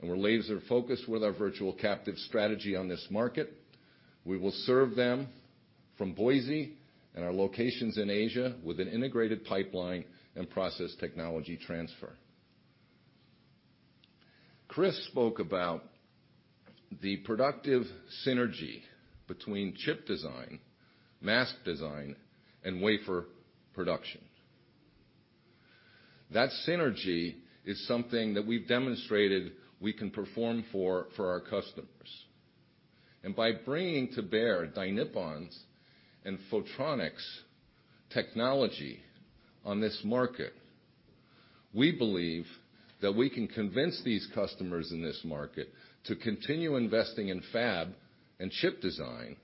and we're laser-focused with our virtual captive strategy on this market. We will serve them from Boise and our locations in Asia with an integrated pipeline and process technology transfer. Chris spoke about the productive synergy between chip design, mask design, and wafer production. That synergy is something that we've demonstrated we can perform for our customers. By bringing to bear Dai Nippon's and Photronics technology on this market, we believe that we can convince these customers in this market to continue investing in fab and chip design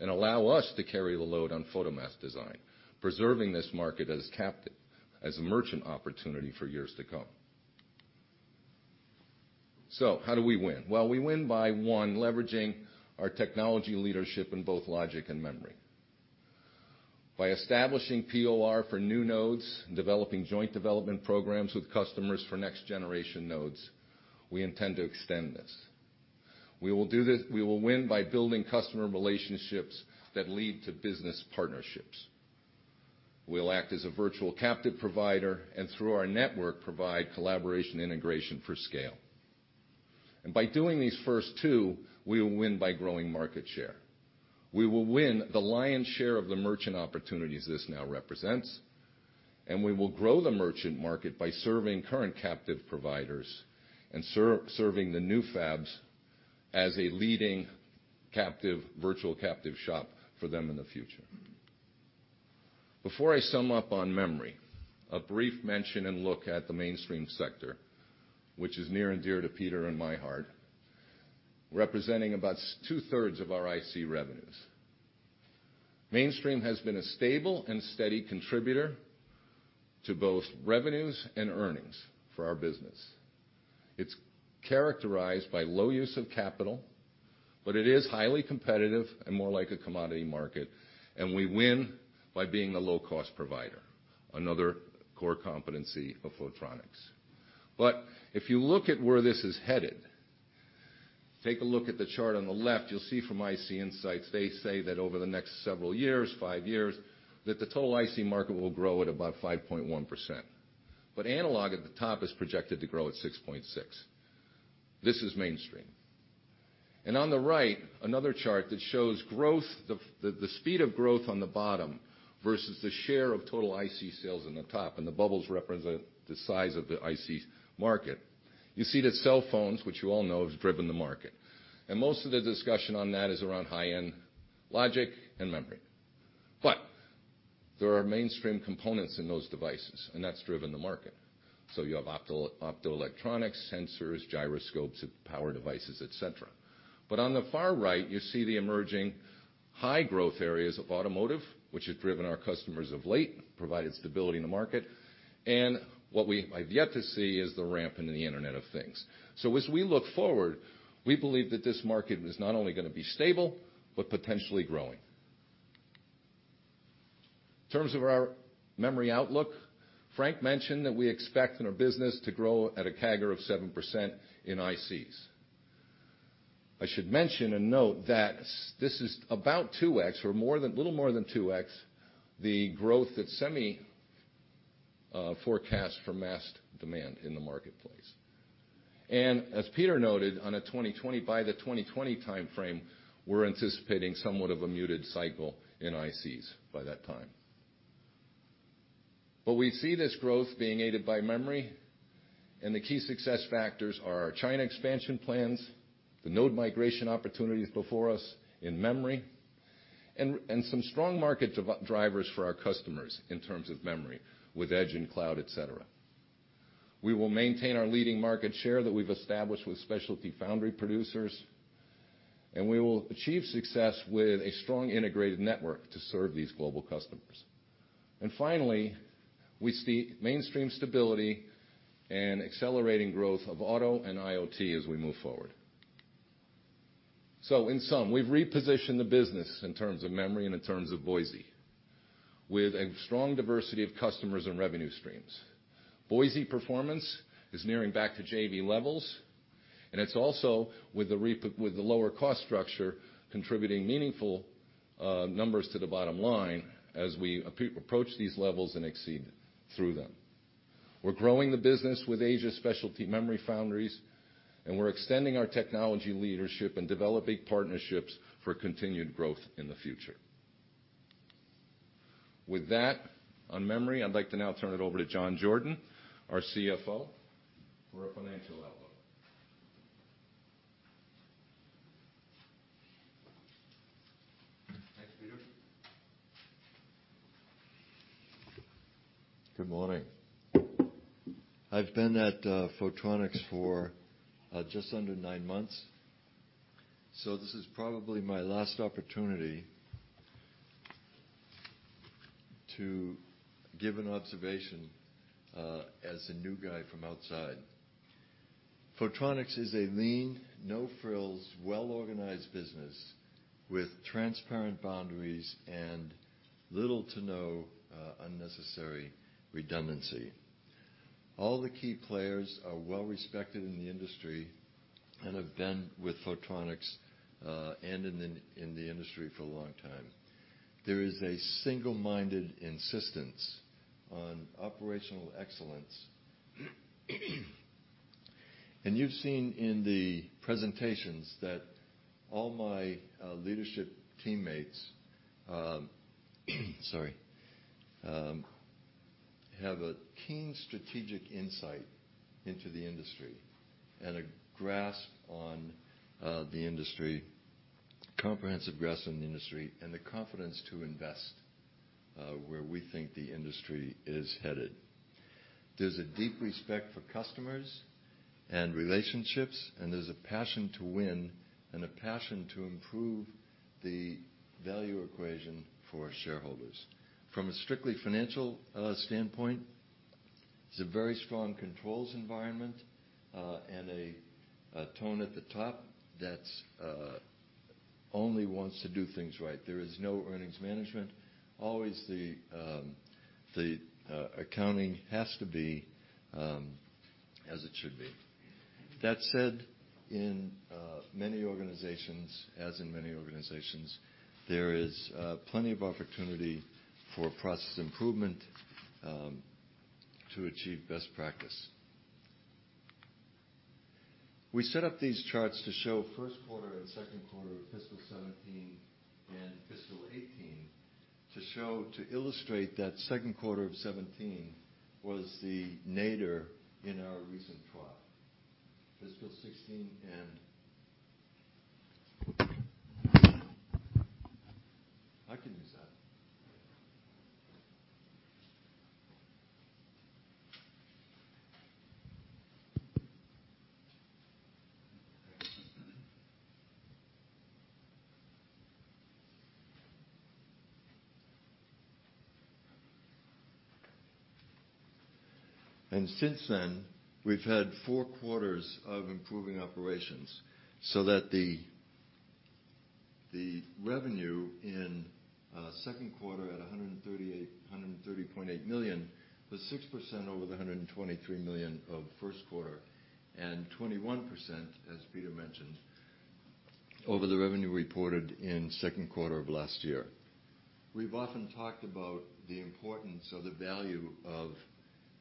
and allow us to carry the load on photomask design, preserving this market as a merchant opportunity for years to come. How do we win? We win by one, leveraging our technology leadership in both logic and memory. By establishing POR for new nodes and developing joint development programs with customers for next-generation nodes, we intend to extend this. We will win by building customer relationships that lead to business partnerships. We'll act as a virtual captive provider and, through our network, provide collaboration integration for scale, and by doing these first two, we will win by growing market share. We will win the lion's share of the merchant opportunities this now represents, and we will grow the merchant market by serving current captive providers and serving the new fabs as a leading virtual captive shop for them in the future. Before I sum up on memory, a brief mention and look at the mainstream sector, which is near and dear to Peter and my heart, representing about two-thirds of our IC revenues. Mainstream has been a stable and steady contributor to both revenues and earnings for our business. It's characterized by low use of capital, but it is highly competitive and more like a commodity market. We win by being the low-cost provider, another core competency of Photronics. If you look at where this is headed, take a look at the chart on the left, you'll see from IC Insights, they say that over the next several years, five years, that the total IC market will grow at about 5.1%. Analog at the top is projected to grow at 6.6%. This is mainstream. On the right, another chart that shows the speed of growth on the bottom versus the share of total IC sales on the top, and the bubbles represent the size of the IC market. You see that cell phones, which you all know, have driven the market. Most of the discussion on that is around high-end logic and memory. There are mainstream components in those devices, and that's driven the market. You have optoelectronics, sensors, gyroscopes, power devices, etc. But on the far right, you see the emerging high-growth areas of automotive, which have driven our customers of late, provided stability in the market. And what we have yet to see is the ramp in the Internet of Things. So as we look forward, we believe that this market is not only going to be stable, but potentially growing. In terms of our memory outlook, Frank mentioned that we expect in our business to grow at a CAGR of 7% in ICs. I should mention and note that this is about 2x or a little more than 2x the growth that SEMI forecasts for mask demand in the marketplace. And as Peter noted, by the 2020 timeframe, we're anticipating somewhat of a muted cycle in ICs by that time. But we see this growth being aided by memory, and the key success factors are our China expansion plans, the node migration opportunities before us in memory, and some strong market drivers for our customers in terms of memory with edge and cloud, etc. We will maintain our leading market share that we've established with specialty foundry producers, and we will achieve success with a strong integrated network to serve these global customers. And finally, we see mainstream stability and accelerating growth of auto and IoT as we move forward. So in sum, we've repositioned the business in terms of memory and in terms of Boise with a strong diversity of customers and revenue streams. Boise performance is nearing back to JV levels, and it's also with the lower-cost structure contributing meaningful numbers to the bottom line as we approach these levels and exceed through them. We're growing the business with Asia specialty memory foundries, and we're extending our technology leadership and developing partnerships for continued growth in the future. With that, on memory, I'd like to now turn it over to John Jordan, our CFO, for a financial outlook. Thanks, Peter. Good morning. I've been at Photronics for just under nine months. So this is probably my last opportunity to give an observation as a new guy from outside. Photronics is a lean, no-frills, well-organized business with transparent boundaries and little to no unnecessary redundancy. All the key players are well-respected in the industry and have been with Photronics and in the industry for a long time. There is a single-minded insistence on operational excellence. And you've seen in the presentations that all my leadership teammates have a keen strategic insight into the industry and a comprehensive grasp on the industry and the confidence to invest where we think the industry is headed. There's a deep respect for customers and relationships, and there's a passion to win and a passion to improve the value equation for shareholders. From a strictly financial standpoint, it's a very strong controls environment and a tone at the top that only wants to do things right. There is no earnings management. Always the accounting has to be as it should be. That said, in many organizations, as in many organizations, there is plenty of opportunity for process improvement to achieve best practice. We set up these charts to show first quarter and second quarter of fiscal 2017 and fiscal 2018 to illustrate that second quarter of 2017 was the nadir in our recent trough. Fiscal 2016 and I can use that. Since then, we've had four quarters of improving operations so that the revenue in second quarter at $130.8 million was 6% over the $123 million of first quarter and 21%, as Peter mentioned, over the revenue reported in second quarter of last year. We've often talked about the importance of the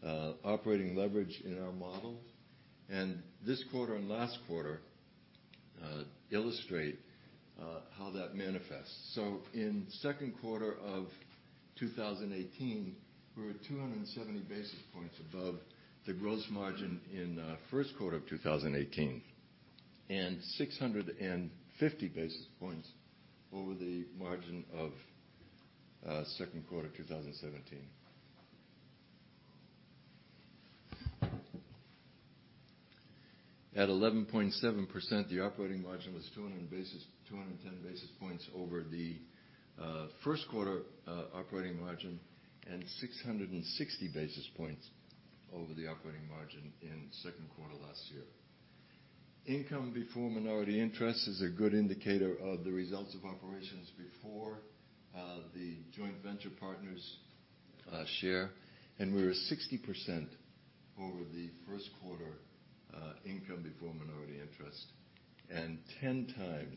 value of operating leverage in our model, and this quarter and last quarter illustrate how that manifests. In second quarter of 2018, we were 270 basis points above the gross margin in first quarter of 2018 and 650 basis points over the margin of second quarter of 2017. At 11.7%, the operating margin was 210 basis points over the first quarter operating margin and 660 basis points over the operating margin in second quarter last year. Income before minority interest is a good indicator of the results of operations before the joint venture partners share, and we were 60% over the first quarter income before minority interest and 10x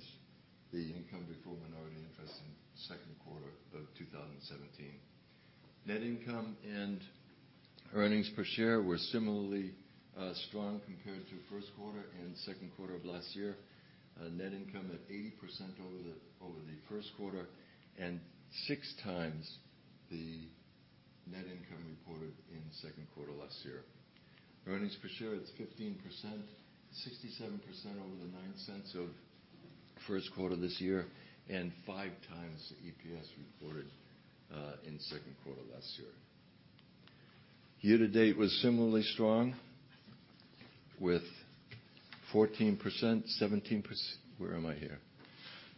the income before minority interest in second quarter of 2017. Net income and earnings per share were similarly strong compared to first quarter and second quarter of last year. Net income at 80% over the first quarter and six times the net income reported in second quarter last year. Earnings per share at 15%, 67% over the $0.09 of first quarter this year and five times the EPS reported in second quarter last year. Year-to-date was similarly strong with 14%, 17%.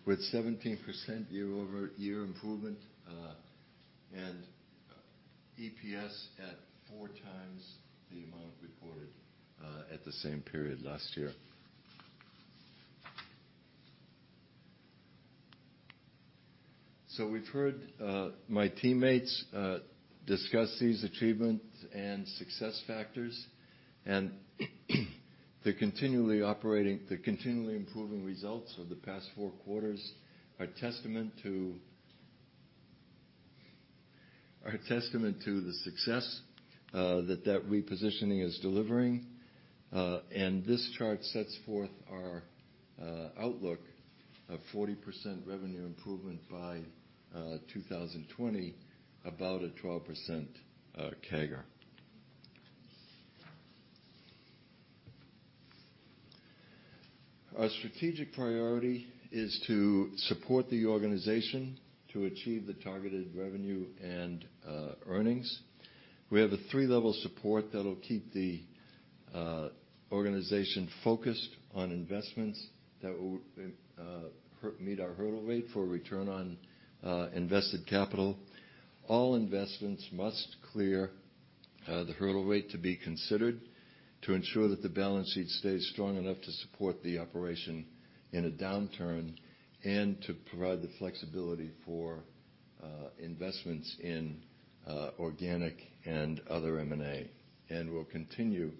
With 17% year-over-year improvement and EPS at four times the amount reported at the same period last year. So we've heard my teammates discuss these achievements and success factors, and the continually improving results of the past four quarters are testament to the success that that repositioning is delivering. And this chart sets forth our outlook of 40% revenue improvement by 2020, about a 12% CAGR. Our strategic priority is to support the organization to achieve the targeted revenue and earnings. We have a three-level support that will keep the organization focused on investments that will meet our hurdle rate for return on invested capital. All investments must clear the hurdle rate to be considered to ensure that the balance sheet stays strong enough to support the operation in a downturn and to provide the flexibility for investments in organic and other M&A and will continue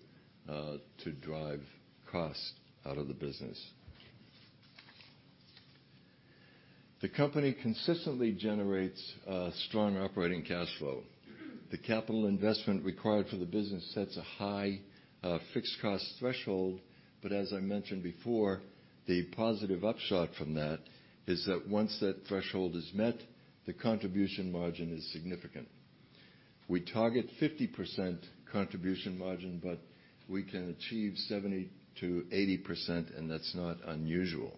to drive cost out of the business. The company consistently generates strong operating cash flow. The capital investment required for the business sets a high fixed cost threshold, but as I mentioned before, the positive upshot from that is that once that threshold is met, the contribution margin is significant. We target 50% contribution margin, but we can achieve 70%-80%, and that's not unusual.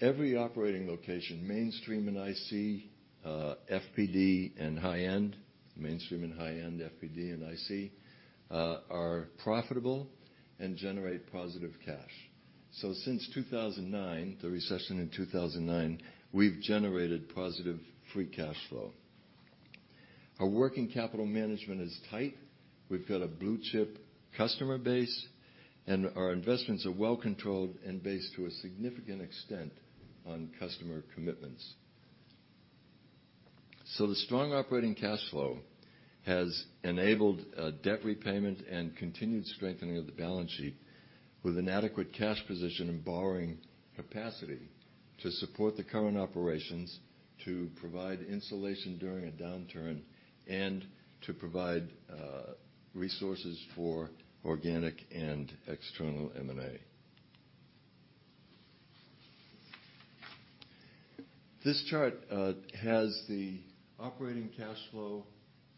Every operating location, mainstream and IC, FPD, and high-end, mainstream and high-end, FPD and IC, are profitable and generate positive cash. So since 2009, the recession in 2009, we've generated positive free cash flow. Our working capital management is tight. We've got a blue-chip customer base, and our investments are well controlled and based to a significant extent on customer commitments. So the strong operating cash flow has enabled debt repayment and continued strengthening of the balance sheet with an adequate cash position and borrowing capacity to support the current operations, to provide insulation during a downturn, and to provide resources for organic and external M&A. This chart has the operating cash flow,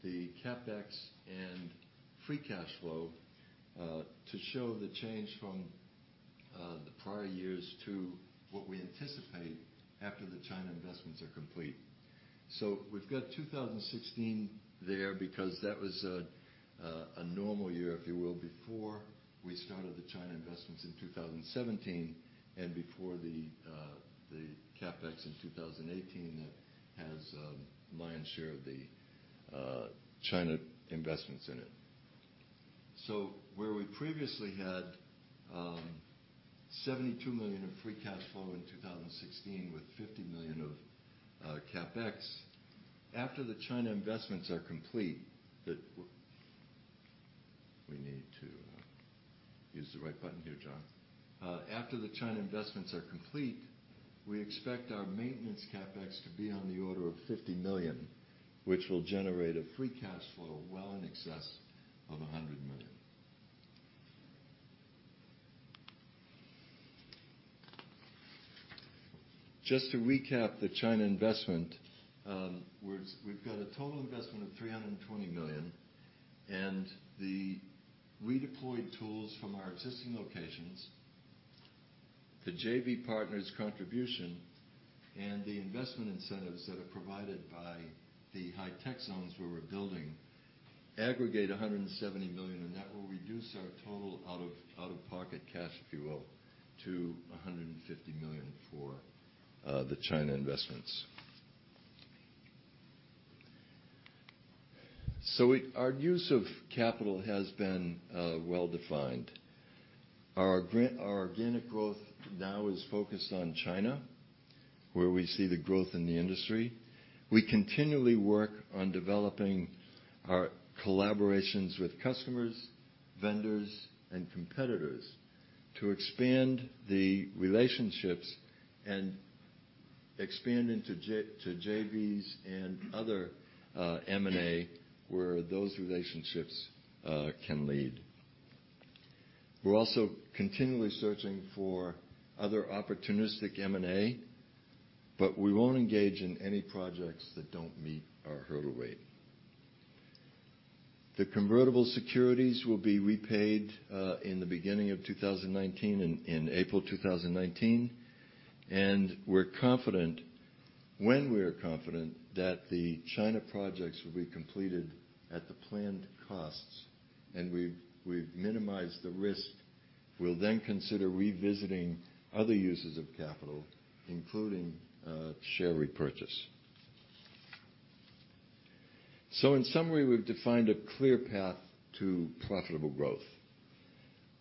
the CapEx, and free cash flow to show the change from the prior years to what we anticipate after the China investments are complete. So we've got 2016 there because that was a normal year, if you will, before we started the China investments in 2017 and before the CapEx in 2018 that has my share of the China investments in it. So, where we previously had $72 million of free cash flow in 2016 with $50 million of CapEx, after the China investments are complete... We need to use the right button here, John. After the China investments are complete, we expect our maintenance CapEx to be on the order of $50 million, which will generate a free cash flow well in excess of $100 million. Just to recap the China investment, we've got a total investment of $320 million, and the redeployed tools from our existing locations, the JV partners' contribution, and the investment incentives that are provided by the high-tech zones where we're building aggregate $170 million, and that will reduce our total out-of-pocket cash, if you will, to $150 million for the China investments. So our use of capital has been well-defined. Our organic growth now is focused on China, where we see the growth in the industry. We continually work on developing our collaborations with customers, vendors, and competitors to expand the relationships and expand into JVs and other M&A where those relationships can lead. We're also continually searching for other opportunistic M&A, but we won't engage in any projects that don't meet our hurdle rate. The convertible securities will be repaid in the beginning of 2019, in April 2019, and we're confident, when we are confident, that the China projects will be completed at the planned costs, and we've minimized the risk. We'll then consider revisiting other uses of capital, including share repurchase. So in summary, we've defined a clear path to profitable growth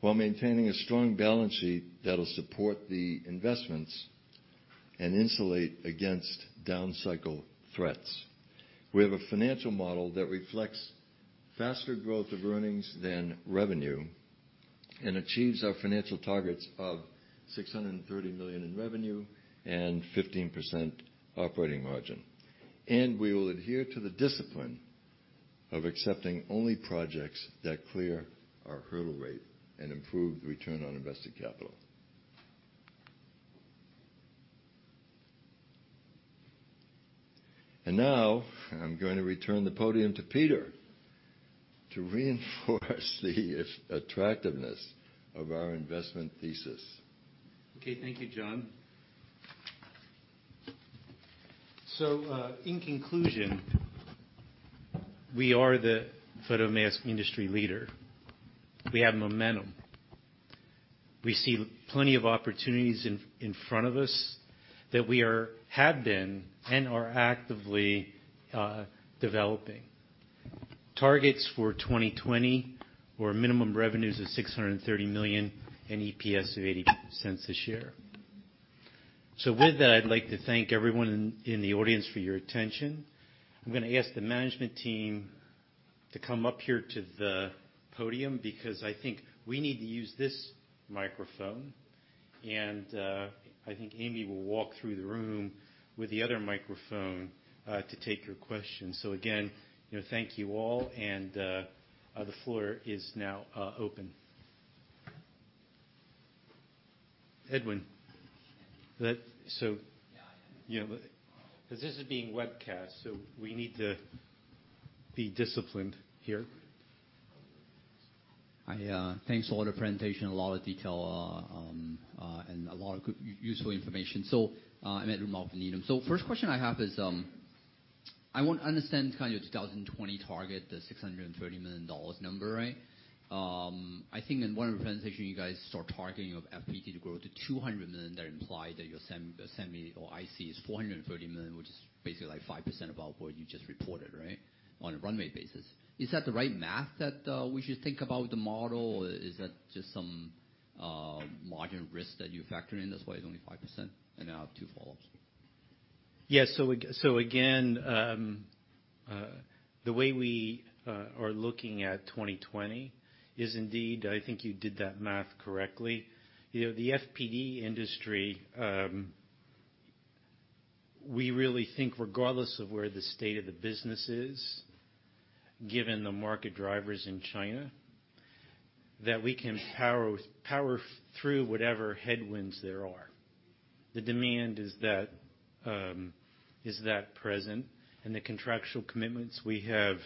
while maintaining a strong balance sheet that will support the investments and insulate against down cycle threats. We have a financial model that reflects faster growth of earnings than revenue and achieves our financial targets of $630 million in revenue and 15% operating margin, and we will adhere to the discipline of accepting only projects that clear our hurdle rate and improve the return on invested capital, and now I'm going to return the podium to Peter to reinforce the attractiveness of our investment thesis. Okay. Thank you, John, so in conclusion, we are the photomask industry leader. We have momentum. We see plenty of opportunities in front of us that we have been and are actively developing. Targets for 2020 were minimum revenues of $630 million and EPS of $0.80 a share. So with that, I'd like to thank everyone in the audience for your attention. I'm going to ask the management team to come up here to the podium because I think we need to use this microphone, and I think Amy will walk through the room with the other microphone to take your questions. Again, thank you all, and the floor is now open. Edwin. This is being webcast, so we need to be disciplined here. Thanks for the presentation. A lot of detail and a lot of useful information. I'm Edwin Mok. First question I have is I want to understand kind of your 2020 target, the $630 million number, right? I think in one of your presentations, you guys start talking of FPD to grow to $200 million. That implied that your semi or IC is $430 million, which is basically like 5% above what you just reported, right, on a run-rate basis. Is that the right math that we should think about with the model, or is that just some margin risk that you factor in? That's why it's only 5%, and I have two follow-ups. Yeah, so again, the way we are looking at 2020 is indeed, I think you did that math correctly. The FPD industry, we really think regardless of where the state of the business is, given the market drivers in China, that we can power through whatever headwinds there are. The demand is that present, and the contractual commitments we have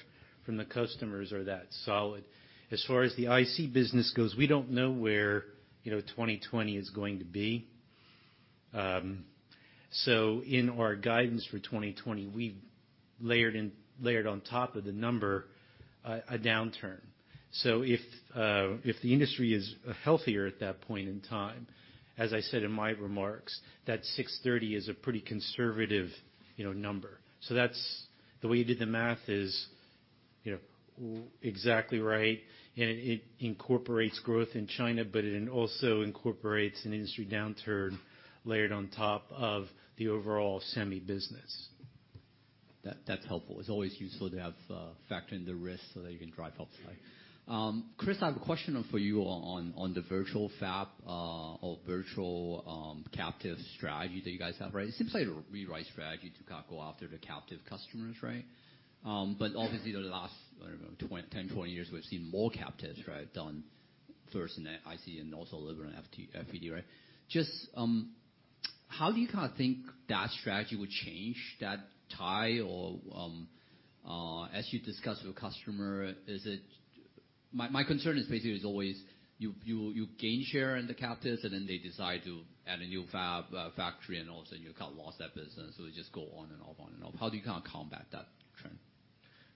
from the customers are that solid. As far as the IC business goes, we don't know where 2020 is going to be, so in our guidance for 2020, we've layered on top of the number a downturn. So if the industry is healthier at that point in time, as I said in my remarks, that 630 is a pretty conservative number. So the way you did the math is exactly right, and it incorporates growth in China, but it also incorporates an industry downturn layered on top of the overall semi business. That's helpful. It's always useful to factor in the risk so that you can drive upside. Chris, I have a question for you all on the virtual fab or virtual captive strategy that you guys have, right? It seems like a right strategy to kind of go after the captive customers, right? But obviously, the last 10, 20 years, we've seen more captives, right, done first in the IC and also later in FPD, right? Just how do you kind of think that strategy would change the tide? Or as you discuss with a customer, my concern is basically always you gain share in the captives, and then they decide to add a new factory and also you kind of lost that business, or you just go on and off, on and off. How do you kind of combat that trend?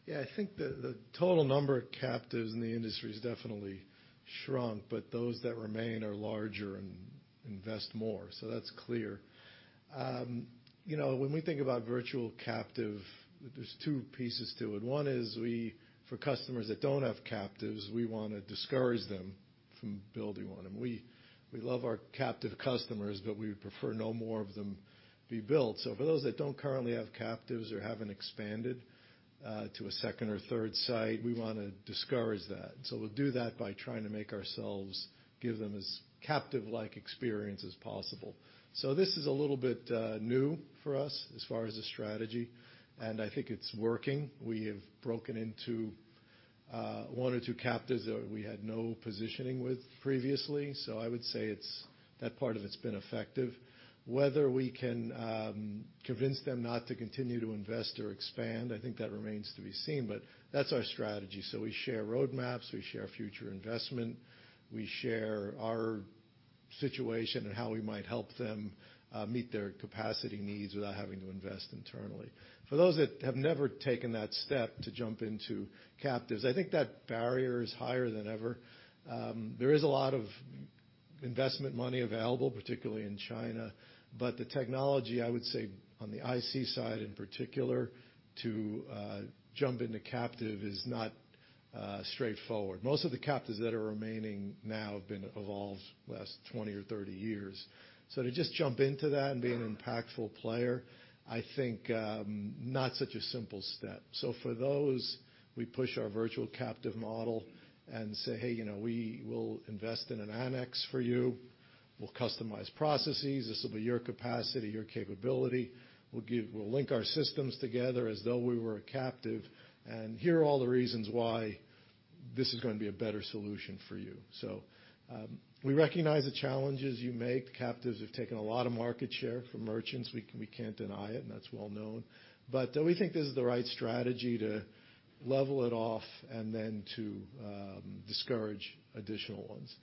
Yeah. I think the total number of captives in the industry has definitely shrunk, but those that remain are larger and invest more, so that's clear. When we think about virtual captive, there's two pieces to it. One is for customers that don't have captives, we want to discourage them from building one, and we love our captive customers, but we would prefer no more of them be built, so for those that don't currently have captives or haven't expanded to a second or third site, we want to discourage that. So we'll do that by trying to make ourselves give them as captive-like experience as possible. So this is a little bit new for us as far as the strategy, and I think it's working. We have broken into one or two captives that we had no positioning with previously. So I would say that part of it's been effective. Whether we can convince them not to continue to invest or expand, I think that remains to be seen, but that's our strategy. So we share roadmaps. We share future investment. We share our situation and how we might help them meet their capacity needs without having to invest internally. For those that have never taken that step to jump into captives, I think that barrier is higher than ever. There is a lot of investment money available, particularly in China, but the technology, I would say on the IC side in particular, to jump into captive is not straightforward. Most of the captives that are remaining now have been evolved the last 20 or 30 years. So to just jump into that and be an impactful player, I think not such a simple step. So for those, we push our virtual captive model and say, "Hey, we will invest in an annex for you. We'll customize processes. This will be your capacity, your capability. We'll link our systems together as though we were a captive, and here are all the reasons why this is going to be a better solution for you." So we recognize the challenges you make. Captives have taken a lot of market share from merchants. We can't deny it, and that's well known. But we think this is the right strategy to level it off and then to discourage additional ones.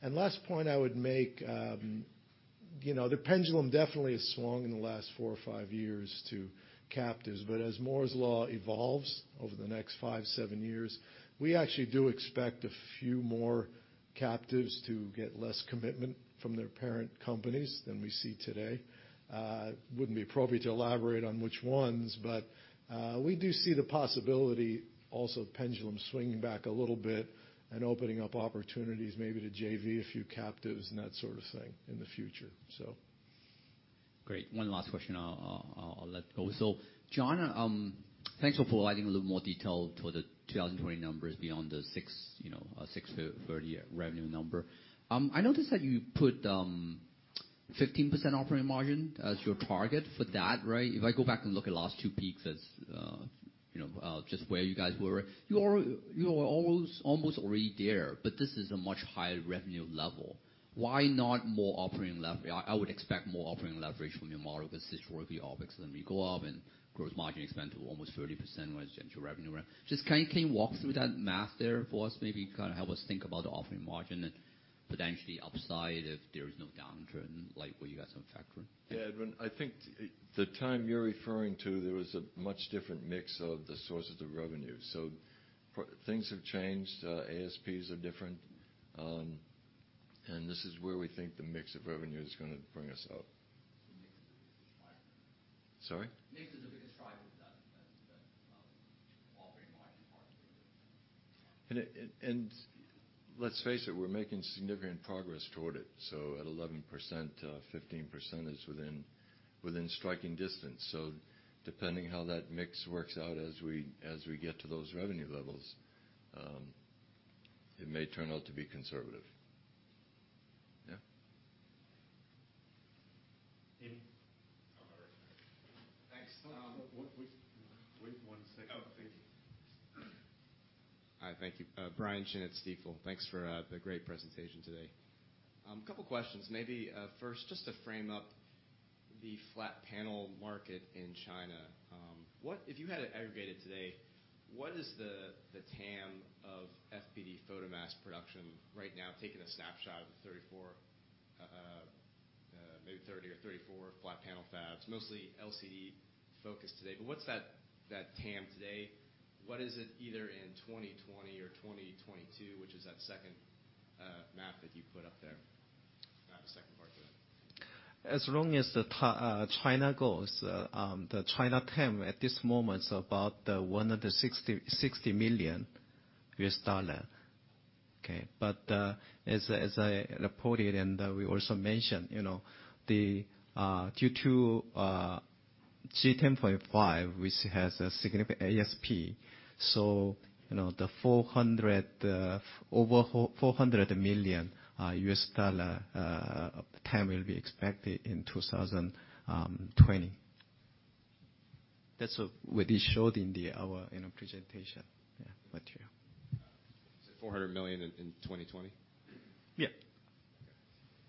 And last point I would make, the pendulum definitely has swung in the last four or five years to captives, but as Moore's Law evolves over the next five, seven years, we actually do expect a few more captives to get less commitment from their parent companies than we see today. It wouldn't be appropriate to elaborate on which ones, but we do see the possibility also of pendulum swinging back a little bit and opening up opportunities maybe to JV, a few captives, and that sort of thing in the future, so. Great. One last question I'll let go. So John, thanks for providing a little more detail to the 2020 numbers beyond the 630 revenue number. I noticed that you put 15% operating margin as your target for that, right? If I go back and look at last two peaks as just where you guys were, you were almost already there, but this is a much higher revenue level. Why not more operating leverage? I would expect more operating leverage from your model because historically you're always going to be going up and gross margin expand to almost 30% relative to revenue. Just can you walk through that math there for us? Maybe kind of help us think about the operating margin and potentially upside if there is no downturn like where you guys are factoring. Yeah. Edwin, I think the time you're referring to, there was a much different mix of the sources of revenue. So things have changed. ASPs are different. And this is where we think the mix of revenue is going to bring us up. Mix is the biggest driver. Sorry? Mix is the biggest driver of that operating margin part... Let's face it, we're making significant progress toward it, so at 11%, 15% is within striking distance, so depending how that mix works out as we get to those revenue levels, it may turn out to be conservative. Yeah. Thanks. Wait one second. Thank you. All right. Thank you. Brian Chin, Stifel. Thanks for the great presentation today. A couple of questions. Maybe first, just to frame up the flat panel market in China. If you had it aggregated today, what is the TAM of FPD photomask production right now, taking a snapshot of the 34, maybe 30 or 34 flat panel fabs, mostly LCD focused today? But what's that TAM today? What is it either in 2020 or 2022, which is that second math that you put up there? The second part of it. As far as China goes, the China TAM at this moment is about $160 million. Okay. But as I reported and we also mentioned, due to G10.5, which has a significant ASP, so the $400 million TAM will be expected in 2020. That's what we showed in our presentation. Yeah. Is it $400 million in 2020? Yeah.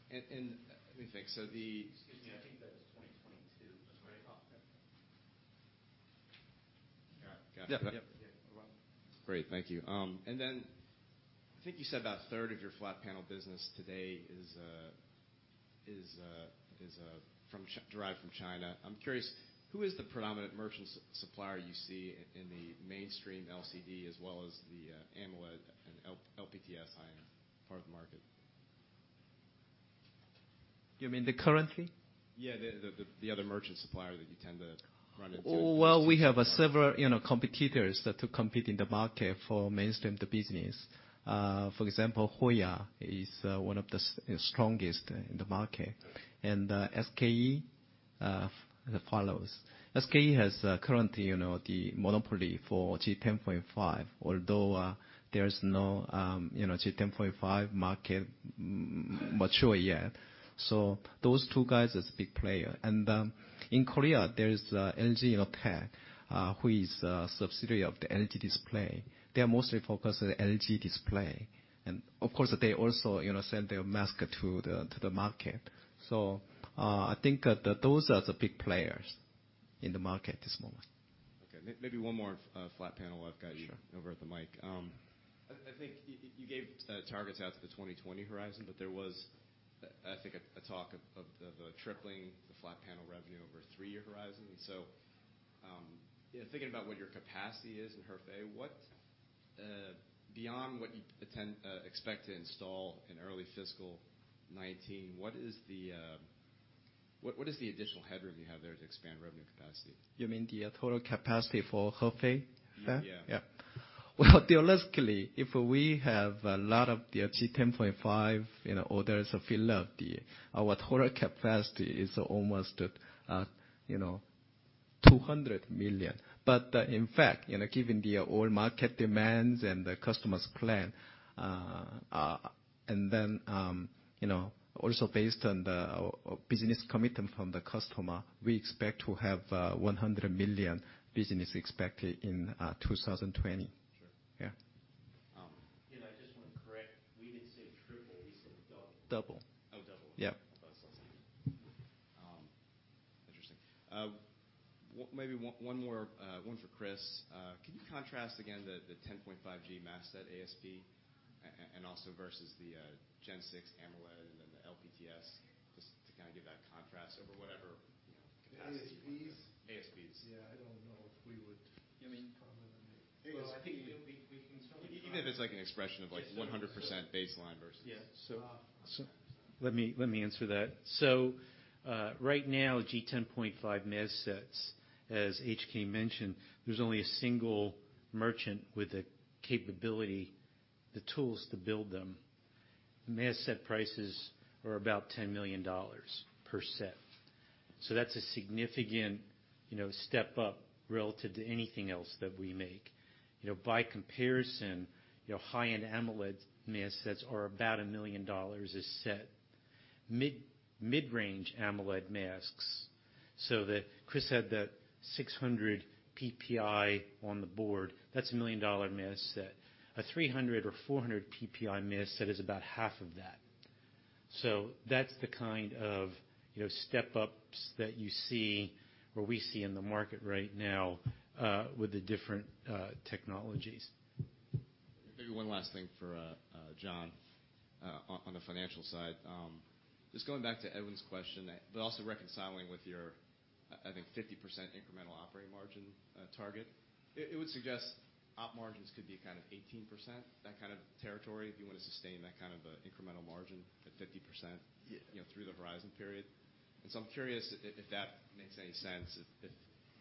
Okay. And let me think. Excuse me. I think that was 2022. Yeah. Gotcha. Yeah. Yeah. Great. Thank you. And then I think you said about a third of your flat panel business today is derived from China. I'm curious, who is the predominant merchant supplier you see in the mainstream LCD as well as the AMOLED and LTPS part of the market? You mean currently? Yeah. The other merchant supplier that you tend to run into. We have several competitors that compete in the market for mainstream business. For example, Hoya is one of the strongest in the market. SKE follows. SKE has currently the monopoly for G10.5, although there is no G10.5 market mature yet. Those two guys are big players. In Korea, there is LG Innotek, who is a subsidiary of the LG Display. They are mostly focused on LG Display. Of course, they also send their mask to the market. I think those are the big players in the market at this moment. Okay. Maybe one more flat panel. I've got you over at the mic. I think you gave targets out to the 2020 horizon, but there was, I think, a talk of tripling the flat panel revenue over a three-year horizon. Thinking about what your capacity is in Hefei, beyond what you expect to install in early fiscal 2019, what is the additional headroom you have there to expand revenue capacity? You mean the total capacity for Hefei? Yeah. Yeah. Well, theoretically, if we have a lot of the G10.5 orders filled up, our total capacity is almost $200 million. But in fact, given the LCD market demands and the customer's plan, and then also based on the business commitment from the customer, we expect to have $100 million business expected in 2020. Yeah. I just want to correct. We didn't say triple. We said double. Double. Oh, double. Yeah. Interesting. Maybe one more one for Chris. Can you contrast again the 10.5G mask set ASP and also versus the Gen 6 AMOLED and then the LTPS just to kind of give that contrast over whatever capacity? ASPs. ASPs. Yeah. I don't know if we would. You mean probably. I think we can certainly. Even if it's like an expression of 100% baseline versus. Yeah. So let me answer that. So right now, G10.5 mask sets, as H.K. mentioned, there's only a single merchant with the capability, the tools to build them. Mask set prices are about $10 million per set. So that's a significant step up relative to anything else that we make. By comparison, high-end AMOLED mask sets are about $1 million a set. Mid-range AMOLED masks. So Chris had the 600 PPI on the board. That's a million-dollar mask set. A 300 or 400 PPI mask set is about half of that. So that's the kind of step-ups that you see or we see in the market right now with the different technologies. Maybe one last thing for John on the financial side. Just going back to Edwin's question, but also reconciling with your, I think, 50% incremental operating margin target, it would suggest op margins could be kind of 18%, that kind of territory if you want to sustain that kind of incremental margin at 50% through the horizon period, and so I'm curious if that makes any sense.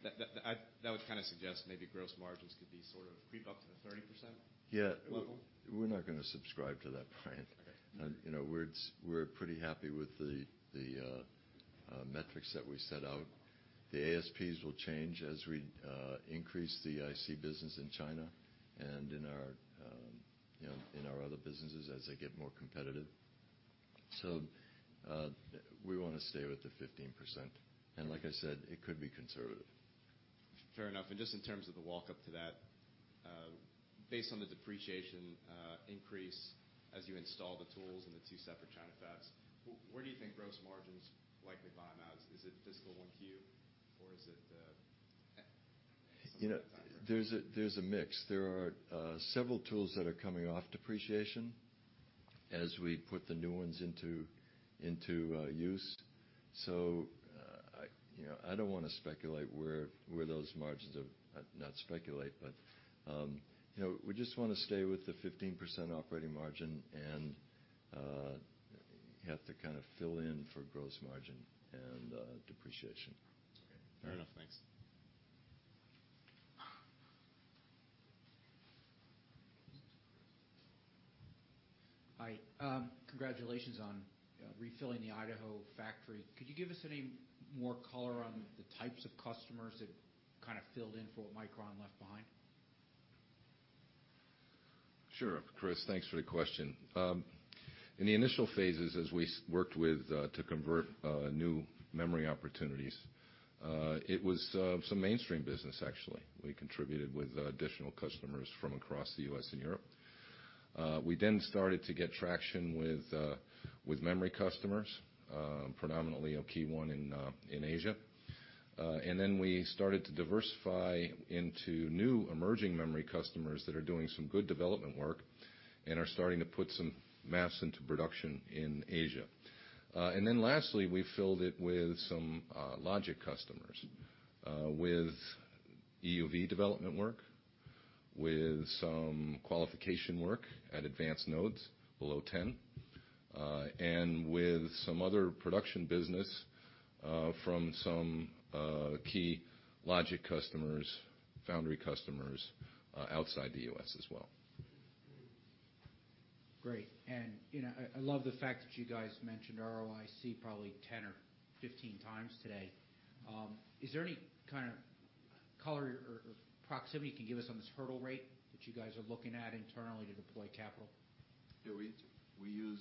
That would kind of suggest maybe gross margins could be sort of creep up to the 30% level. Yeah. We're not going to subscribe to that, Brian. We're pretty happy with the metrics that we set out. The ASPs will change as we increase the IC business in China and in our other businesses as they get more competitive. So we want to stay with the 15%, and like I said, it could be conservative. Fair enough. Just in terms of the walk-up to that, based on the depreciation increase as you install the tools in the two separate China fabs, where do you think gross margins likely buy them out? Is it fiscal 1Q, or is it? There's a mix. There are several tools that are coming off depreciation as we put the new ones into use. So I don't want to speculate where those margins are not speculate, but we just want to stay with the 15% operating margin and have to kind of fill in for gross margin and depreciation. Okay. Fair enough. Thanks. All right. Congratulations on refilling the Idaho factory. Could you give us any more color on the types of customers that kind of filled in for what Micron left behind? Sure. Chris, thanks for the question. In the initial phases as we worked to convert new memory opportunities, it was some mainstream business, actually. We contributed with additional customers from across the U.S. and Europe. We then started to get traction with memory customers, predominantly a key one in Asia, and then we started to diversify into new emerging memory customers that are doing some good development work and are starting to put some masks into production in Asia, and then lastly, we filled it with some logic customers with EUV development work, with some qualification work at advanced nodes below 10, and with some other production business from some key logic customers, foundry customers outside the U.S. as well. Great, and I love the fact that you guys mentioned ROIC probably 10 or 15x today. Is there any kind of color or proximity you can give us on this hurdle rate that you guys are looking at internally to deploy capital? Yeah. We use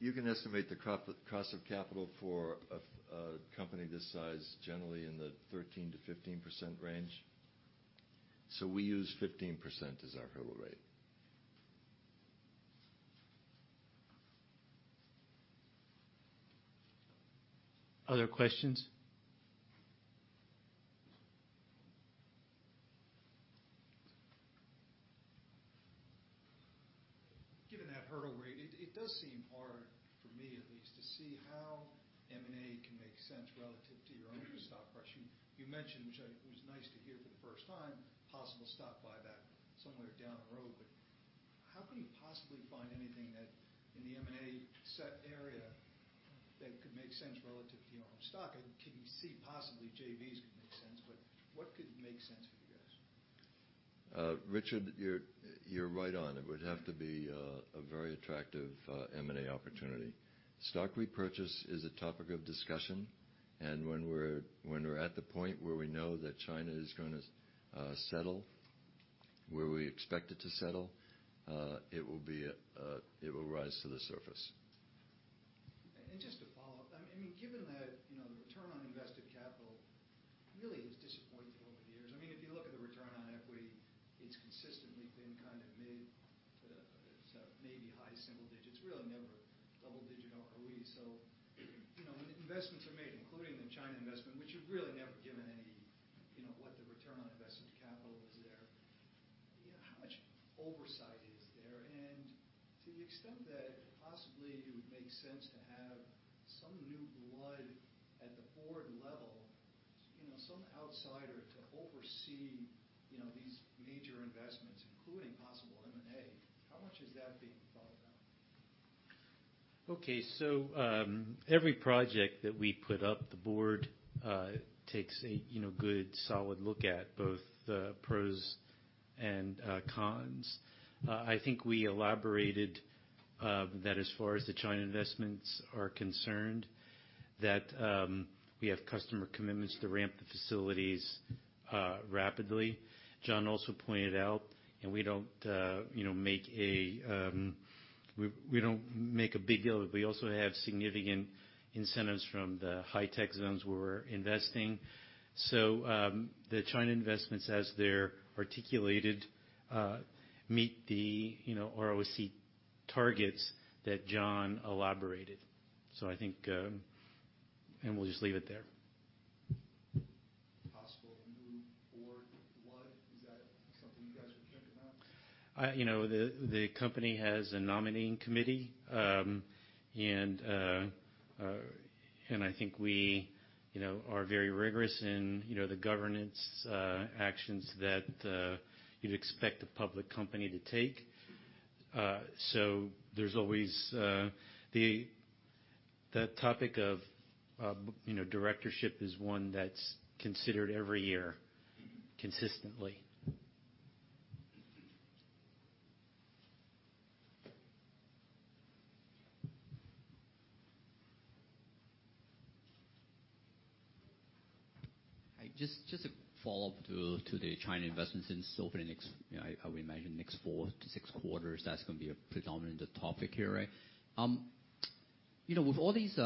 you can estimate the cost of capital for a company this size generally in the 13%-15% range. So we use 15% as our hurdle rate. Other questions? Given that hurdle rate, it does seem hard for me, at least, to see how M&A can make sense relative to your own stock price. You mentioned, which was nice to hear for the first time, possible stock buyback somewhere down the road. How can you possibly find anything in the M&A set area that could make sense relative to your own stock? Can you see possibly JVs could make sense, but what could make sense for you guys? Richard, you're right on. It would have to be a very attractive M&A opportunity. Stock repurchase is a topic of discussion. And when we're at the point where we know that China is going to settle, where we expect it to settle, it will rise to the surface. And just to follow up, I mean, given that the return on invested capital really has disappointed over the years, I mean, if you look at the return on equity, it's consistently been kind of mid to maybe high single digits, really never double-digit ROE. So when investments are made, including the China investment, which you've really never given any what the return on invested capital is there, how much oversight is there? To the extent that possibly it would make sense to have some new blood at the board level, some outsider to oversee these major investments, including possible M&A, how much is that being thought about? Okay. Every project that we put up, the board takes a good solid look at both the pros and cons. I think we elaborated that as far as the China investments are concerned, that we have customer commitments to ramp the facilities rapidly. John also pointed out, and we don't make a big deal, but we also have significant incentives from the high-tech zones where we're investing. The China investments, as they're articulated, meet the ROIC targets that John elaborated. I think, and we'll just leave it there. Possible new board blood? Is that something you guys would think about? The company has a nominating committee, and I think we are very rigorous in the governance actions that you'd expect a public company to take. So there's always the topic of directorship is one that's considered every year consistently. Just a follow-up to the China investments in softening. I would imagine next four to six quarters, that's going to be a predominant topic here, right? With all these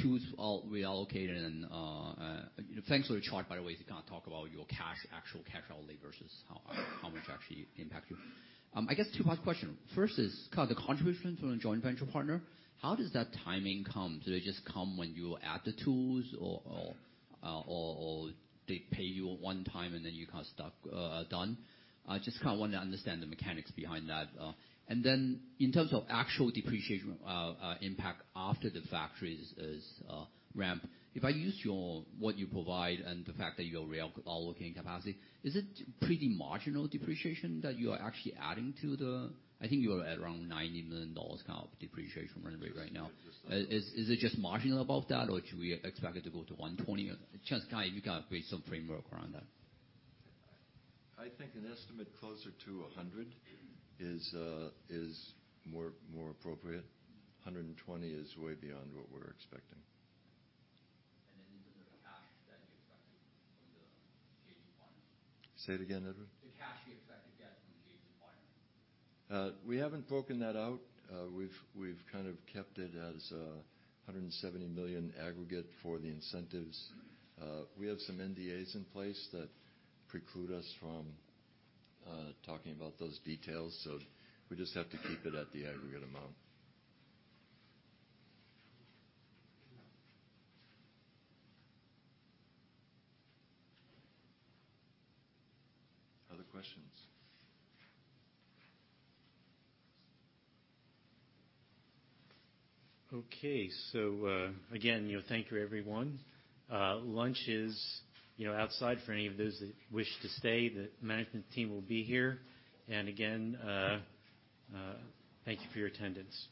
tools we allocated, and thanks for the chart, by the way, to kind of talk about your actual cash outlay versus how much actually impact you. I guess two-part question. First is kind of the contribution from a joint venture partner. How does that timing come? Do they just come when you add the tools, or they pay you one time and then you're kind of stuck done? Just kind of want to understand the mechanics behind that. Then in terms of actual depreciation impact after the factories ramp, if I use what you provide and the fact that you're allocating capacity, is it pretty marginal depreciation that you are actually adding to the, I think, you're at around $90 million kind of depreciation rate right now. Is it just marginal above that, or should we expect it to go to $120 million? Just kind of you kind of create some framework around that. I think an estimate closer to $100 million is more appropriate. $120 million is way beyond what we're expecting. Then is it the cash that you expected from the CapEx requirement? Say it again, Edward. The cash you expected, yes, from the CapEx requirement. We haven't broken that out. We've kind of kept it as $170 million aggregate for the incentives. We have some NDAs in place that preclude us from talking about those details, so we just have to keep it at the aggregate amount. Other questions? Okay. So again, thank you, everyone. Lunch is outside for any of those that wish to stay. The management team will be here. And again, thank you for your attendance.